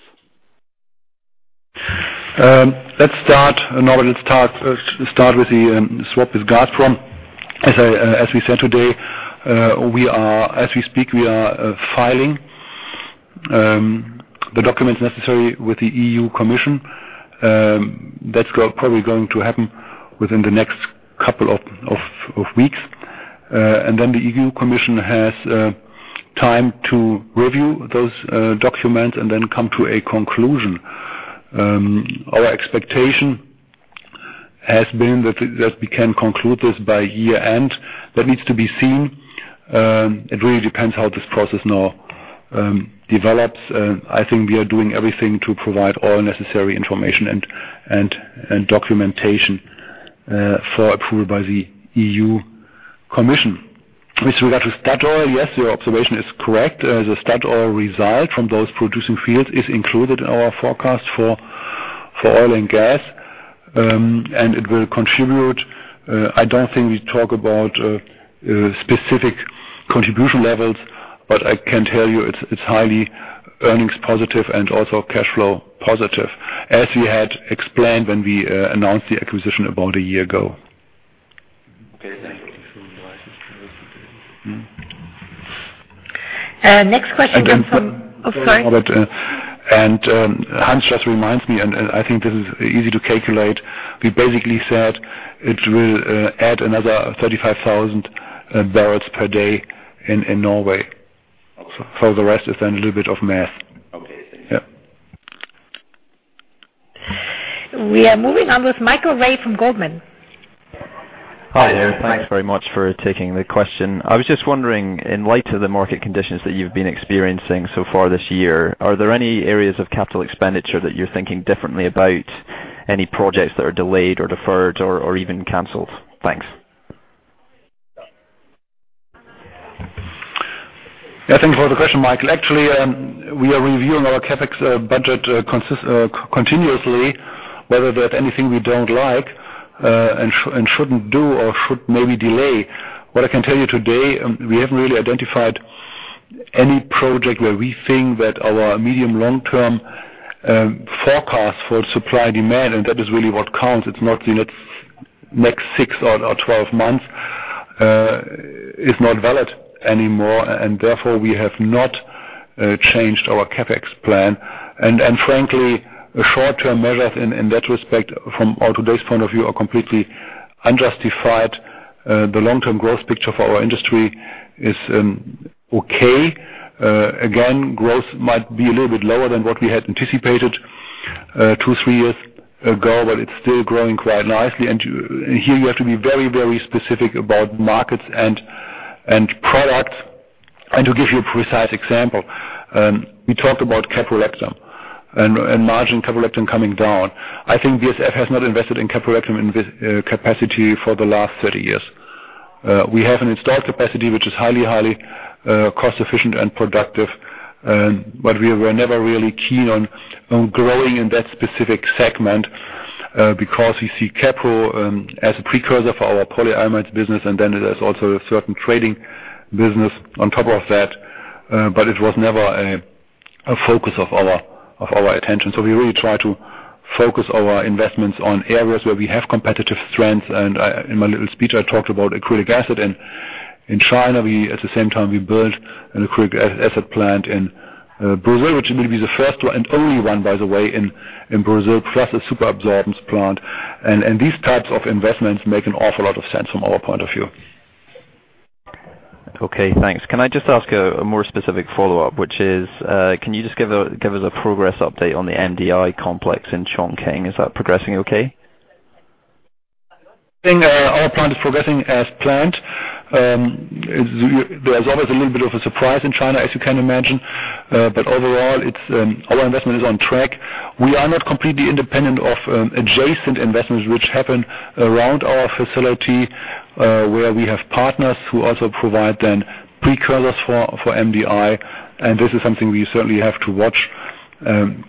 Let's start with the swap with Gazprom. As we said today, we are, as we speak, filing the documents necessary with the European Commission. That's probably going to happen within the next couple of weeks. The European Commission has time to review those documents and then come to a conclusion. Our expectation has been that we can conclude this by year-end. That needs to be seen. It really depends how this process now develops. I think we are doing everything to provide all necessary information and documentation for approval by the European Commission. With regard to Statoil, yes, your observation is correct. The Statoil result from those producing fields is included in our forecast for Oil & Gas. It will contribute. I don't think we talk about specific contribution levels, but I can tell you it's highly earnings positive and also cash flow positive, as we had explained when we announced the acquisition about a year ago. Okay, thank you. Next question comes from- Hans just reminds me, and I think this is easy to calculate. We basically said it will add another 35,000 barrels per day in Norway. Okay. For the rest, it's then a little bit of math. Okay, thank you. Yep. We are moving on withMichael Reithel from Goldman Sachs. Hi there. Thanks very much for taking the question. I was just wondering, in light of the market conditions that you've been experiencing so far this year, are there any areas of capital expenditure that you're thinking differently about? Any projects that are delayed or deferred or even canceled? Thanks. Yeah, thank you for the question, Michael. Actually, we are reviewing our CapEx budget continuously, whether there's anything we don't like, and shouldn't do or should maybe delay. What I can tell you today, we haven't really identified any project where we think that our medium, long-term forecast for supply and demand, and that is really what counts. It's not the next six or 12 months is not valid anymore, and therefore we have not changed our CapEx plan. Frankly, short-term measures in that respect from our today's point of view are completely unjustified. The long-term growth picture for our industry is okay. Again, growth might be a little bit lower than what we had anticipated two, three years ago, but it's still growing quite nicely. Here you have to be very, very specific about markets and products. To give you a precise example, we talked about caprolactam and margins, caprolactam coming down. I think BASF has not invested in caprolactam in this capacity for the last 30 years. We have an installed capacity which is highly cost efficient and productive. We were never really keen on growing in that specific segment because we see caprolactam as a precursor for our polyamides business, and then there's also a certain trading business on top of that. It was never a focus of our attention. We really try to focus our investments on areas where we have competitive strengths. In my little speech, I talked about acrylic acid. In China, we at the same time, we built an acrylic acid plant in Brazil, which will be the first one and only one, by the way, in Brazil, plus a superabsorbents plant. These types of investments make an awful lot of sense from our point of view. Okay, thanks. Can I just ask a more specific follow-up, which is, can you just give us a progress update on the MDI complex in Chongqing? Is that progressing okay? I think our plan is progressing as planned. There's always a little bit of a surprise in China, as you can imagine. Overall, it's our investment is on track. We are not completely independent of adjacent investments which happen around our facility, where we have partners who also provide then precursors for MDI. This is something we certainly have to watch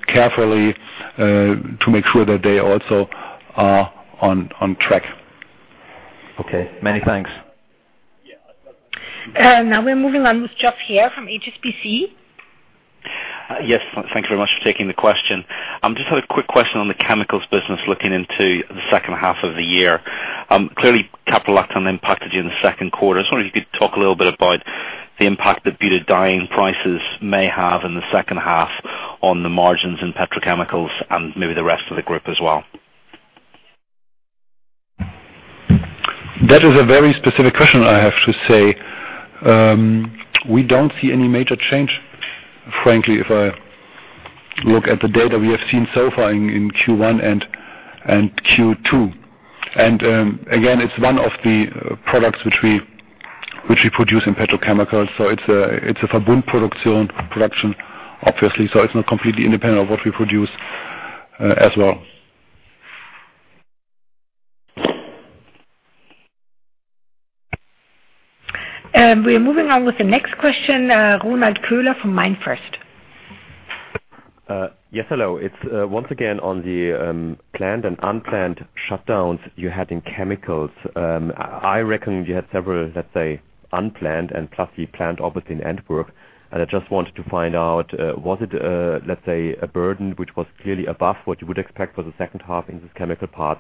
carefully to make sure that they also are on track. Okay, many thanks. Yeah. Now we're moving on with Jeff here from HSBC. Yes. Thank you very much for taking the question. I just had a quick question on the Chemicals business looking into the second half of the year. Clearly Caprolactam impacted butadiene you in the second quarter. I was wondering if you could talk a little bit about the impact that prices may have in the second half on the margins in Petrochemicals and maybe the rest of the group as well. That is a very specific question, I have to say. We don't see any major change, frankly, if I look at the data we have seen so far in Q1 and Q2. Again, it's one of the products which we produce in Petrochemicals, so it's a Verbund production, obviously. It's not completely independent of what we produce as well. We are moving on with the next question, Ronald Köhler from MainFirst. Yes, hello. It's once again on the planned and unplanned shutdowns you had in Chemicals. I reckon you had several, let's say, unplanned and plus the planned obviously in Antwerpen. I just wanted to find out, was it, let's say, a burden which was clearly above what you would expect for the second half in this Chemicals?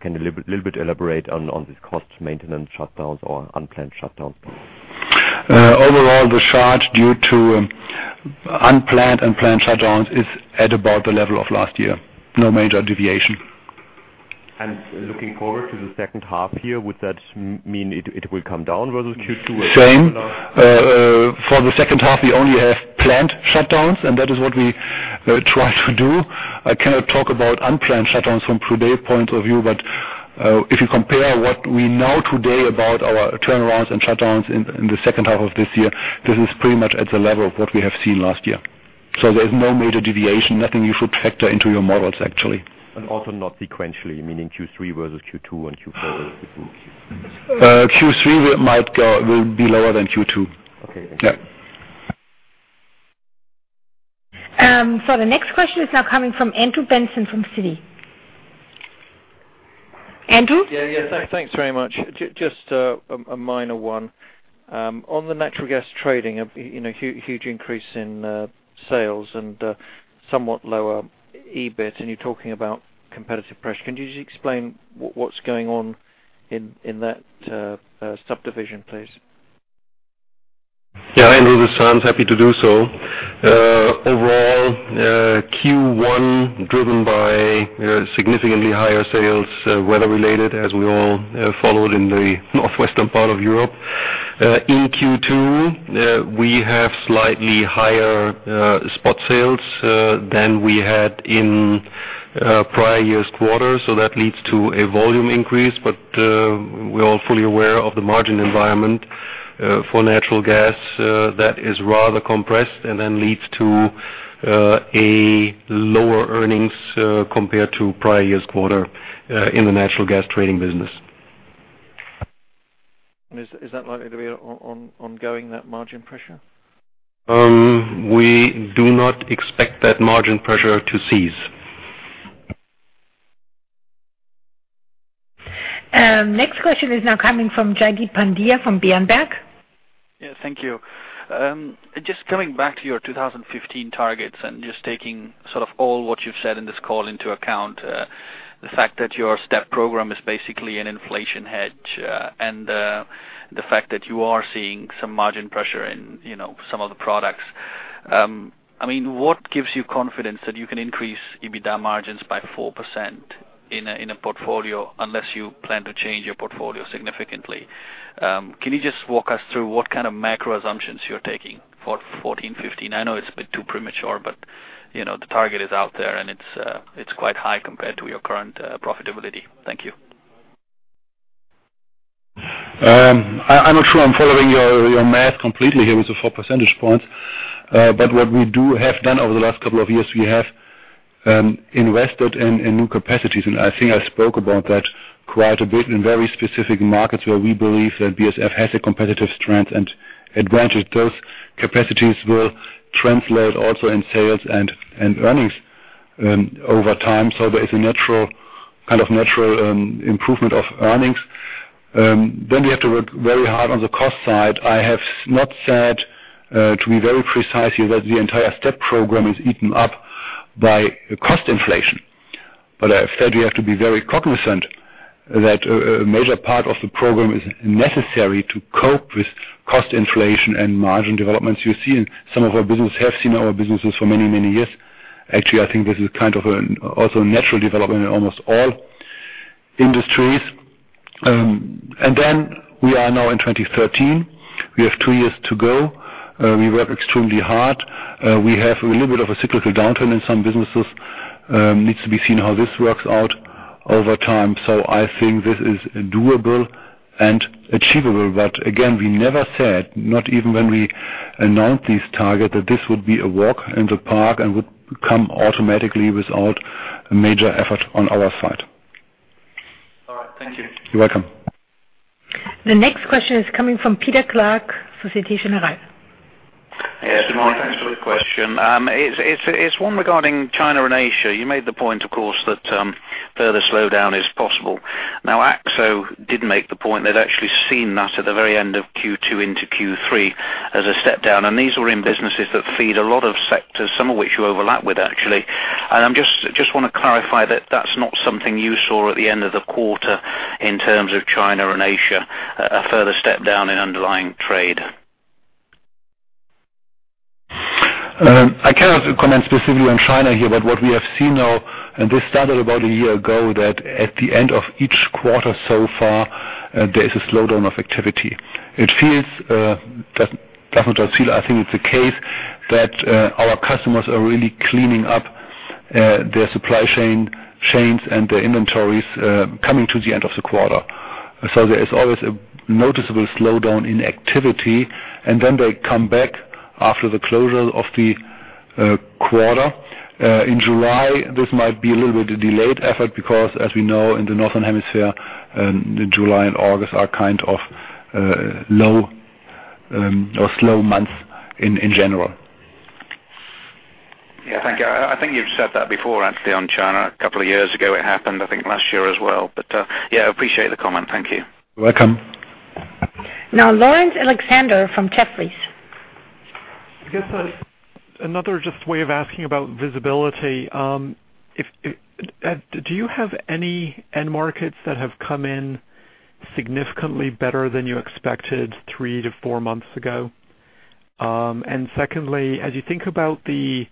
Can you a little bit elaborate on these costs, maintenance shutdowns or unplanned shutdowns? Overall, the charge due to unplanned and planned shutdowns is at about the level of last year. No major deviation. Looking forward to the second half year, would that mean it will come down versus Q2? Same. For the second half, we only have planned shutdowns, and that is what we try to do. I cannot talk about unplanned shutdowns from today's point of view, but if you compare what we know today about our turnarounds and shutdowns in the second half of this year, this is pretty much at the level of what we have seen last year. There is no major deviation. Nothing you should factor into your models, actually. also not sequentially, meaning Q3 versus Q2 and Q4. Q3 will be lower than Q2. Okay, thank you. Yeah. The next question is now coming from Andrew Benson, from Citi. Andrew? Yeah, yeah. Thanks very much. Just a minor one. On the natural gas trading, you know, huge increase in sales and somewhat lower EBIT, and you're talking about competitive pressure. Can you just explain what's going on in that subdivision, please? Yeah, Andrew, this is Hans. Happy to do so. Overall, Q1 driven by significantly higher sales, weather-related, as we all followed in the northwestern part of Europe. In Q2, we have slightly higher spot sales than we had in prior year's quarter. That leads to a volume increase. We're all fully aware of the margin environment for natural gas that is rather compressed and then leads to a lower earnings compared to prior year's quarter in the natural gas trading business. Is that likely to be ongoing, that margin pressure? We do not expect that margin pressure to cease. Next question is now coming from Jaideep Pandya from Berenberg. Yeah. Thank you. Just coming back to your 2015 targets and just taking sort of all what you've said in this call into account, the fact that your STEP program is basically an inflation hedge, and the fact that you are seeing some margin pressure in, you know, some of the products. I mean, what gives you confidence that you can increase EBITDA margins by 4% in a portfolio unless you plan to change your portfolio significantly? Can you just walk us through what kind of macro assumptions you're taking for 2014-2015? I know it's a bit too premature, but, you know, the target is out there, and it's quite high compared to your current profitability. Thank you. I'm not sure I'm following your math completely here with the four percentage points. What we have done over the last couple of years, we have invested in new capacities, and I think I spoke about that quite a bit in very specific markets where we believe that BASF has a competitive strength and advantage. Those capacities will translate also in sales and earnings over time. There is a natural kind of natural improvement of earnings. We have to work very hard on the cost side. I have not said, to be very precise here, that the entire STEP program is eaten up by cost inflation. I have said we have to be very cognizant that a major part of the program is necessary to cope with cost inflation and margin developments you see in some of our business, have seen in our businesses for many years. Actually, I think this is kind of an also natural development in almost all industries. We are now in 2013. We have two years to go. We work extremely hard. We have a little bit of a cyclical downturn in some businesses. Needs to be seen how this works out over time. I think this is doable and achievable. Again, we never said, not even when we announced this target, that this would be a walk in the park and would come automatically without a major effort on our side. All right. Thank you. You're welcome. The next question is coming from Peter Clark for Société Générale. Yes, good morning. Thanks for the question. It's one regarding China and Asia. You made the point, of course, that further slowdown is possible. Now, Akzo did make the point. They'd actually seen that at the very end of Q2 into Q3 as a step down, and these were in businesses that feed a lot of sectors, some of which you overlap with, actually. I'm just wanna clarify that that's not something you saw at the end of the quarter in terms of China and Asia, a further step down in underlying trade? I cannot comment specifically on China here, but what we have seen now, and this started about a year ago, that at the end of each quarter so far, there is a slowdown of activity. It feels, I think it's the case that, our customers are really cleaning up their supply chain and their inventories coming to the end of the quarter. There is always a noticeable slowdown in activity, and then they come back after the closure of the quarter. In July, this might be a little bit delayed effect because as we know in the Northern Hemisphere, July and August are kind of low or slow months in general. Yeah. Thank you. I think you've said that before, actually, on China. A couple of years ago it happened, I think last year as well. Yeah, I appreciate the comment. Thank you. You're welcome. Now, Laurence Alexander from Jefferies. I guess, another just way of asking about visibility, if you have any end markets that have come in significantly better than you expected 3-4 months ago? Secondly, as you think about the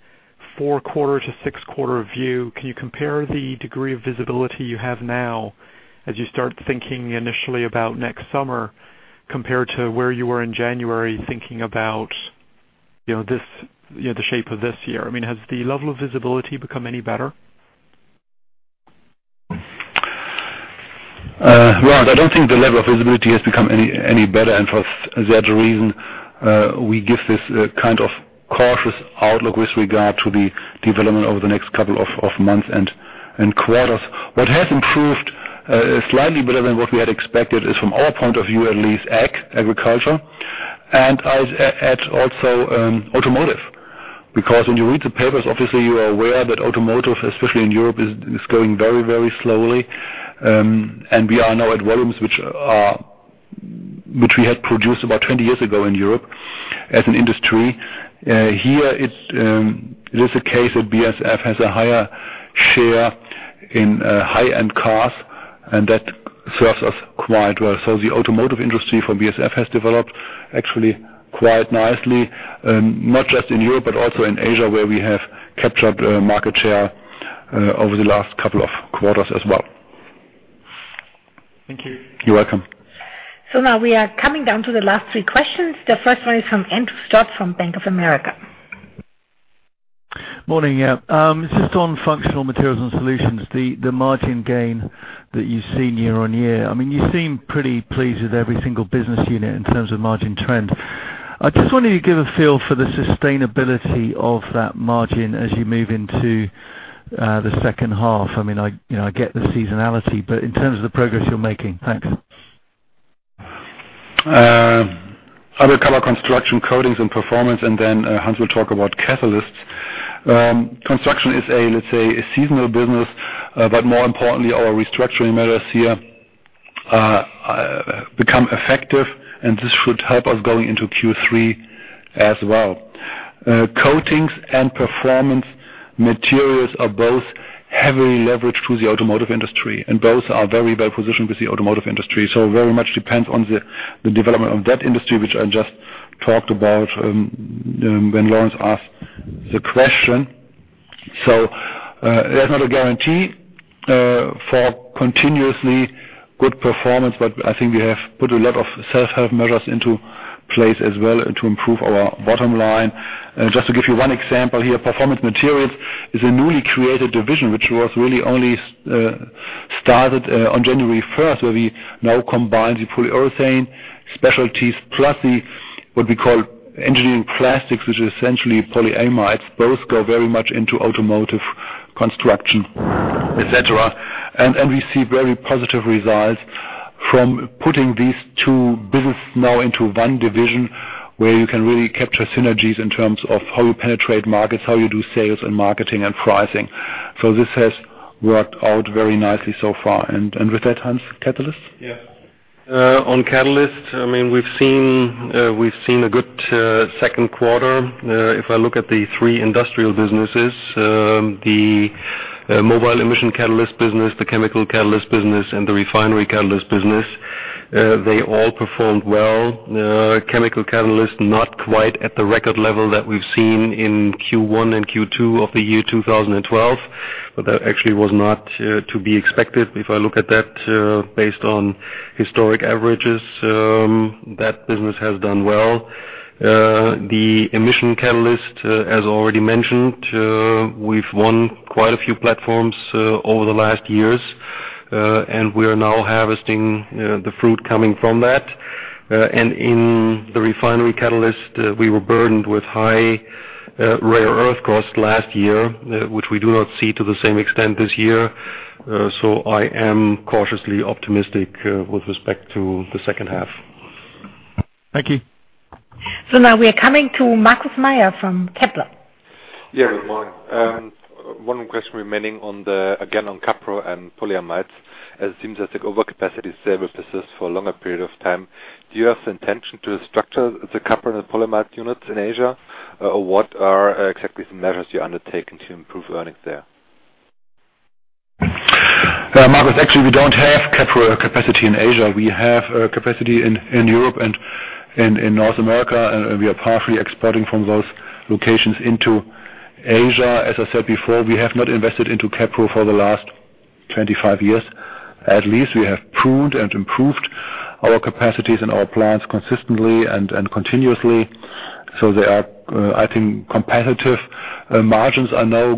fourth quarter to sixth quarter view, can you compare the degree of visibility you have now as you start thinking initially about next summer compared to where you were in January thinking about, you know, the shape of this year? I mean, has the level of visibility become any better? Well, I don't think the level of visibility has become any better. For that reason, we give this kind of cautious outlook with regard to the development over the next couple of months and quarters. What has improved, slightly better than what we had expected, is from our point of view, at least agriculture and also automotive. Because when you read the papers, obviously you are aware that automotive, especially in Europe, is going very slowly. We are now at volumes which we had produced about 20 years ago in Europe as an industry. Here it is a case that BASF has a higher share in high-end cars, and that serves us quite well. The automotive industry for BASF has developed actually quite nicely, not just in Europe, but also in Asia, where we have captured market share over the last couple of quarters as well. Thank you. You're welcome. Now we are coming down to the last three questions. The first one is from Andrew Stott from Bank of America. Morning, yeah. It's just on Functional Materials and Solutions, the margin gain that you've seen year-on-year. I mean, you seem pretty pleased with every single business unit in terms of margin trend. I just wonder you give a feel for the sustainability of that margin as you move into the second half. I mean, you know, I get the seasonality, but in terms of the progress you're making. Thanks. I will cover construction, coatings and performance, and then Hans will talk about catalysts. Construction is a, let's say, a seasonal business, but more importantly, our restructuring measures here become effective, and this should help us going into Q3 as well. Coatings and performance materials are both heavily leveraged through the automotive industry, and both are very well positioned with the automotive industry. Very much depends on the development of that industry, which I just talked about when Laurence asked the question. That's not a guarantee for continuously good performance, but I think we have put a lot of self-help measures into place as well to improve our bottom line. Just to give you one example here, Performance Materials is a newly created division which was really only started on January first, where we now combine the polyurethane specialties, plus the, what we call engineering plastics, which is essentially polyamides. Both go very much into automotive construction, et cetera. We see very positive results from putting these two businesses now into one division, where you can really capture synergies in terms of how you penetrate markets, how you do sales and marketing and pricing. This has worked out very nicely so far. With that, Hans, Catalysts? On Catalysts, I mean, we've seen a good second quarter. If I look at the three industrial businesses, the mobile emission catalyst business, the chemical catalyst business, and the refinery catalyst business, they all performed well. Chemical catalyst not quite at the record level that we've seen in Q1 and Q2 of the year 2012, but that actually was not to be expected. If I look at that, based on historic averages, that business has done well. The emission catalyst, as already mentioned, we've won quite a few platforms over the last years, and we are now harvesting the fruit coming from that. In the refinery catalyst, we were burdened with high rare earth costs last year, which we do not see to the same extent this year. I am cautiously optimistic with respect to the second half. Thank you. Now we are coming to Markus Mayer from Kepler Cheuvreux. Yeah. Good morning. One question remaining on again, on capro and polyamides. As it seems that the overcapacity stable persists for a longer period of time, do you have the intention to structure the capro and polyamide units in Asia? Or what are exactly the measures you're undertaking to improve earnings there? Yeah, Markus, actually, we don't have capro capacity in Asia. We have capacity in Europe and in North America, and we are partially exporting from those locations into Asia. As I said before, we have not invested into capro for the last 25 years. At least we have pruned and improved our capacities and our plants consistently and continuously, so they are, I think, competitive. Margins are now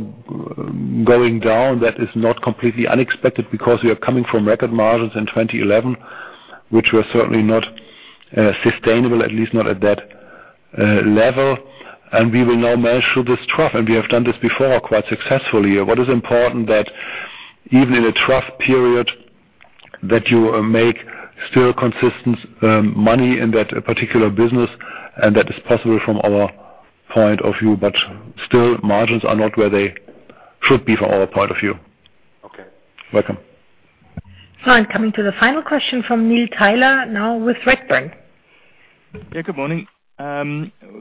going down. That is not completely unexpected because we are coming from record margins in 2011, which were certainly not sustainable, at least not at that level. We will now manage through this trough, and we have done this before quite successfully. What is important is that even in a trough period, that you make still consistent money in that particular business, and that is possible from our point of view. Still, margins are not where they should be from our point of view. I'm coming to the final question from Neil Tyler now with Redburn. Yeah, good morning.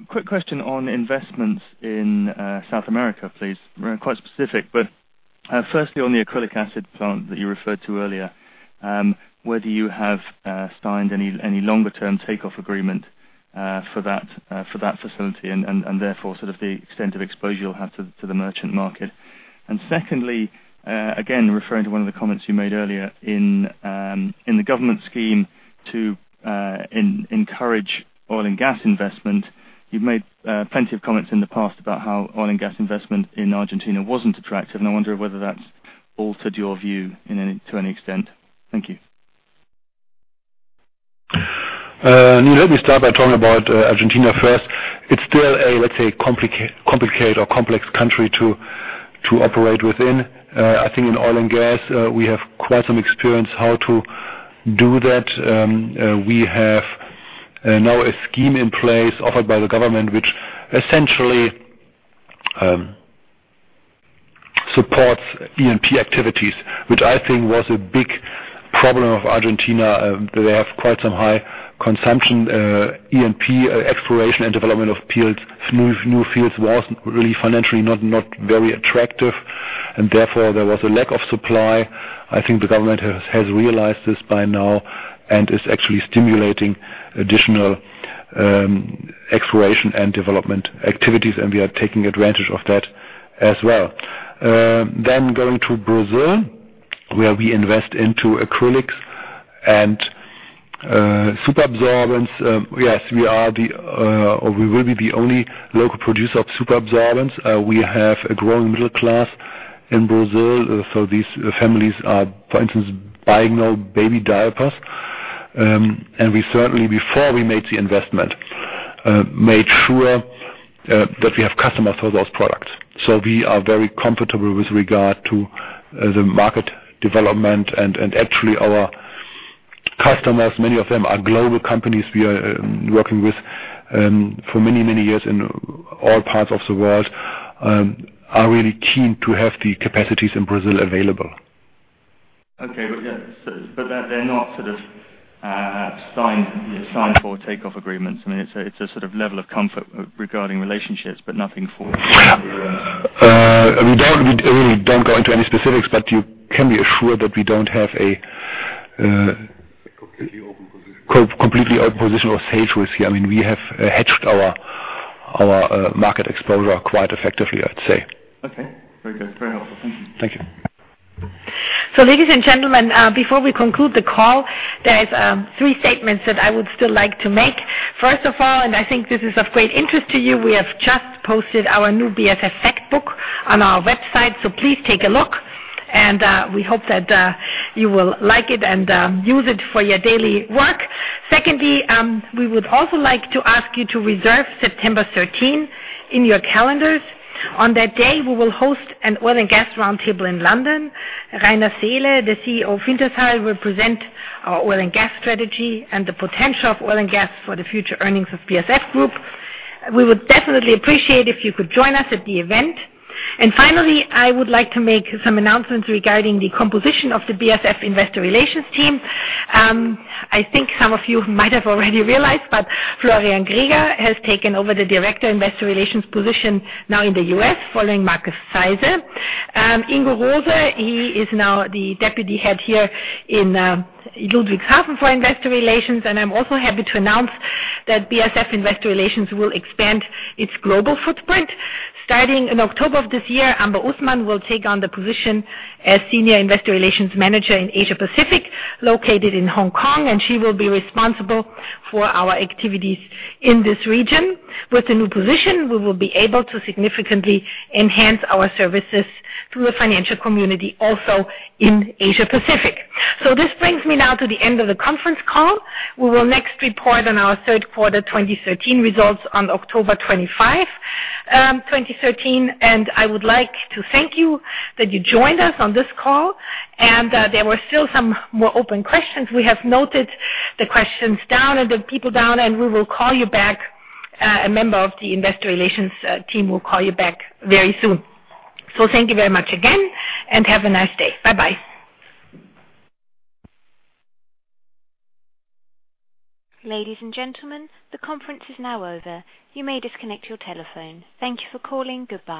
Quick question on investments in South America, please. Quite specific, but firstly on the acrylic acid plant that you referred to earlier, whether you have signed any longer term offtake agreement for that facility and therefore sort of the extent of exposure you'll have to the merchant market. Secondly, again, referring to one of the comments you made earlier in the government scheme to encourage oil and gas investment. You've made plenty of comments in the past about how oil and gas investment in Argentina wasn't attractive, and I wonder whether that's altered your view to any extent. Thank you. Neil, let me start by talking about Argentina first. It's still a, let's say, complicated or complex country to operate within. I think in oil and gas, we have quite some experience how to do that. We have now a scheme in place offered by the government, which essentially supports E&P activities, which I think was a big problem of Argentina. They have quite some high consumption, E&P exploration and development of fields. New fields wasn't really financially not very attractive, and therefore there was a lack of supply. I think the government has realized this by now and is actually stimulating additional exploration and development activities, and we are taking advantage of that as well. Going to Brazil, where we invest into acrylics and superabsorbents. Yes, we are or we will be the only local producer of superabsorbents. We have a growing middle class in Brazil, so these families are, for instance, buying our baby diapers. We certainly, before we made the investment, made sure that we have customers for those products. We are very comfortable with regard to the market development. Actually, our customers, many of them are global companies we are working with for many, many years in all parts of the world, are really keen to have the capacities in Brazil available. They're not sort of signed for offtake agreements. I mean, it's a sort of level of comfort regarding relationships, but nothing for. We really don't go into any specifics, but you can be assured that we don't have. A completely open position. Completely open position or safe risk here. I mean, we have hedged our market exposure quite effectively, I'd say. Okay, very good. Very helpful. Thank you. Thank you. Ladies and gentlemen, before we conclude the call, there is three statements that I would still like to make. First of all, I think this is of great interest to you. We have just posted our new BASF Factbook on our website, so please take a look, and we hope that you will like it and use it for your daily work. Secondly, we would also like to ask you to reserve September 13 in your calendars. On that day, we will host an oil and gas roundtable in London. Rainer Seele, the CEO of Wintershall, will present our oil and gas strategy and the potential of oil and gas for the future earnings of BASF Group. We would definitely appreciate if you could join us at the event. Finally, I would like to make some announcements regarding the composition of the BASF Investor Relations team. I think some of you might have already realized, but Florian Greger has taken over the Director Investor Relations position now in the U.S., following Markus Kamieth. Ingo Rose, he is now the Deputy Head here in Ludwigshafen for Investor Relations. I'm also happy to announce that BASF Investor Relations will expand its global footprint. Starting in October of this year, Amra Usman will take on the position as Senior Investor Relations Manager in Asia Pacific, located in Hong Kong, and she will be responsible for our activities in this region. With the new position, we will be able to significantly enhance our services to the financial community, also in Asia Pacific. This brings me now to the end of the conference call. We will next report on our third quarter 2013 results on October 25, 2013. I would like to thank you that you joined us on this call. There were still some more open questions. We have noted the questions down and the people down, and we will call you back. A member of the Investor Relations team will call you back very soon. Thank you very much again, and have a nice day. Bye-bye. Ladies and gentlemen, the conference is now over. You may disconnect your telephone. Thank you for calling. Goodbye.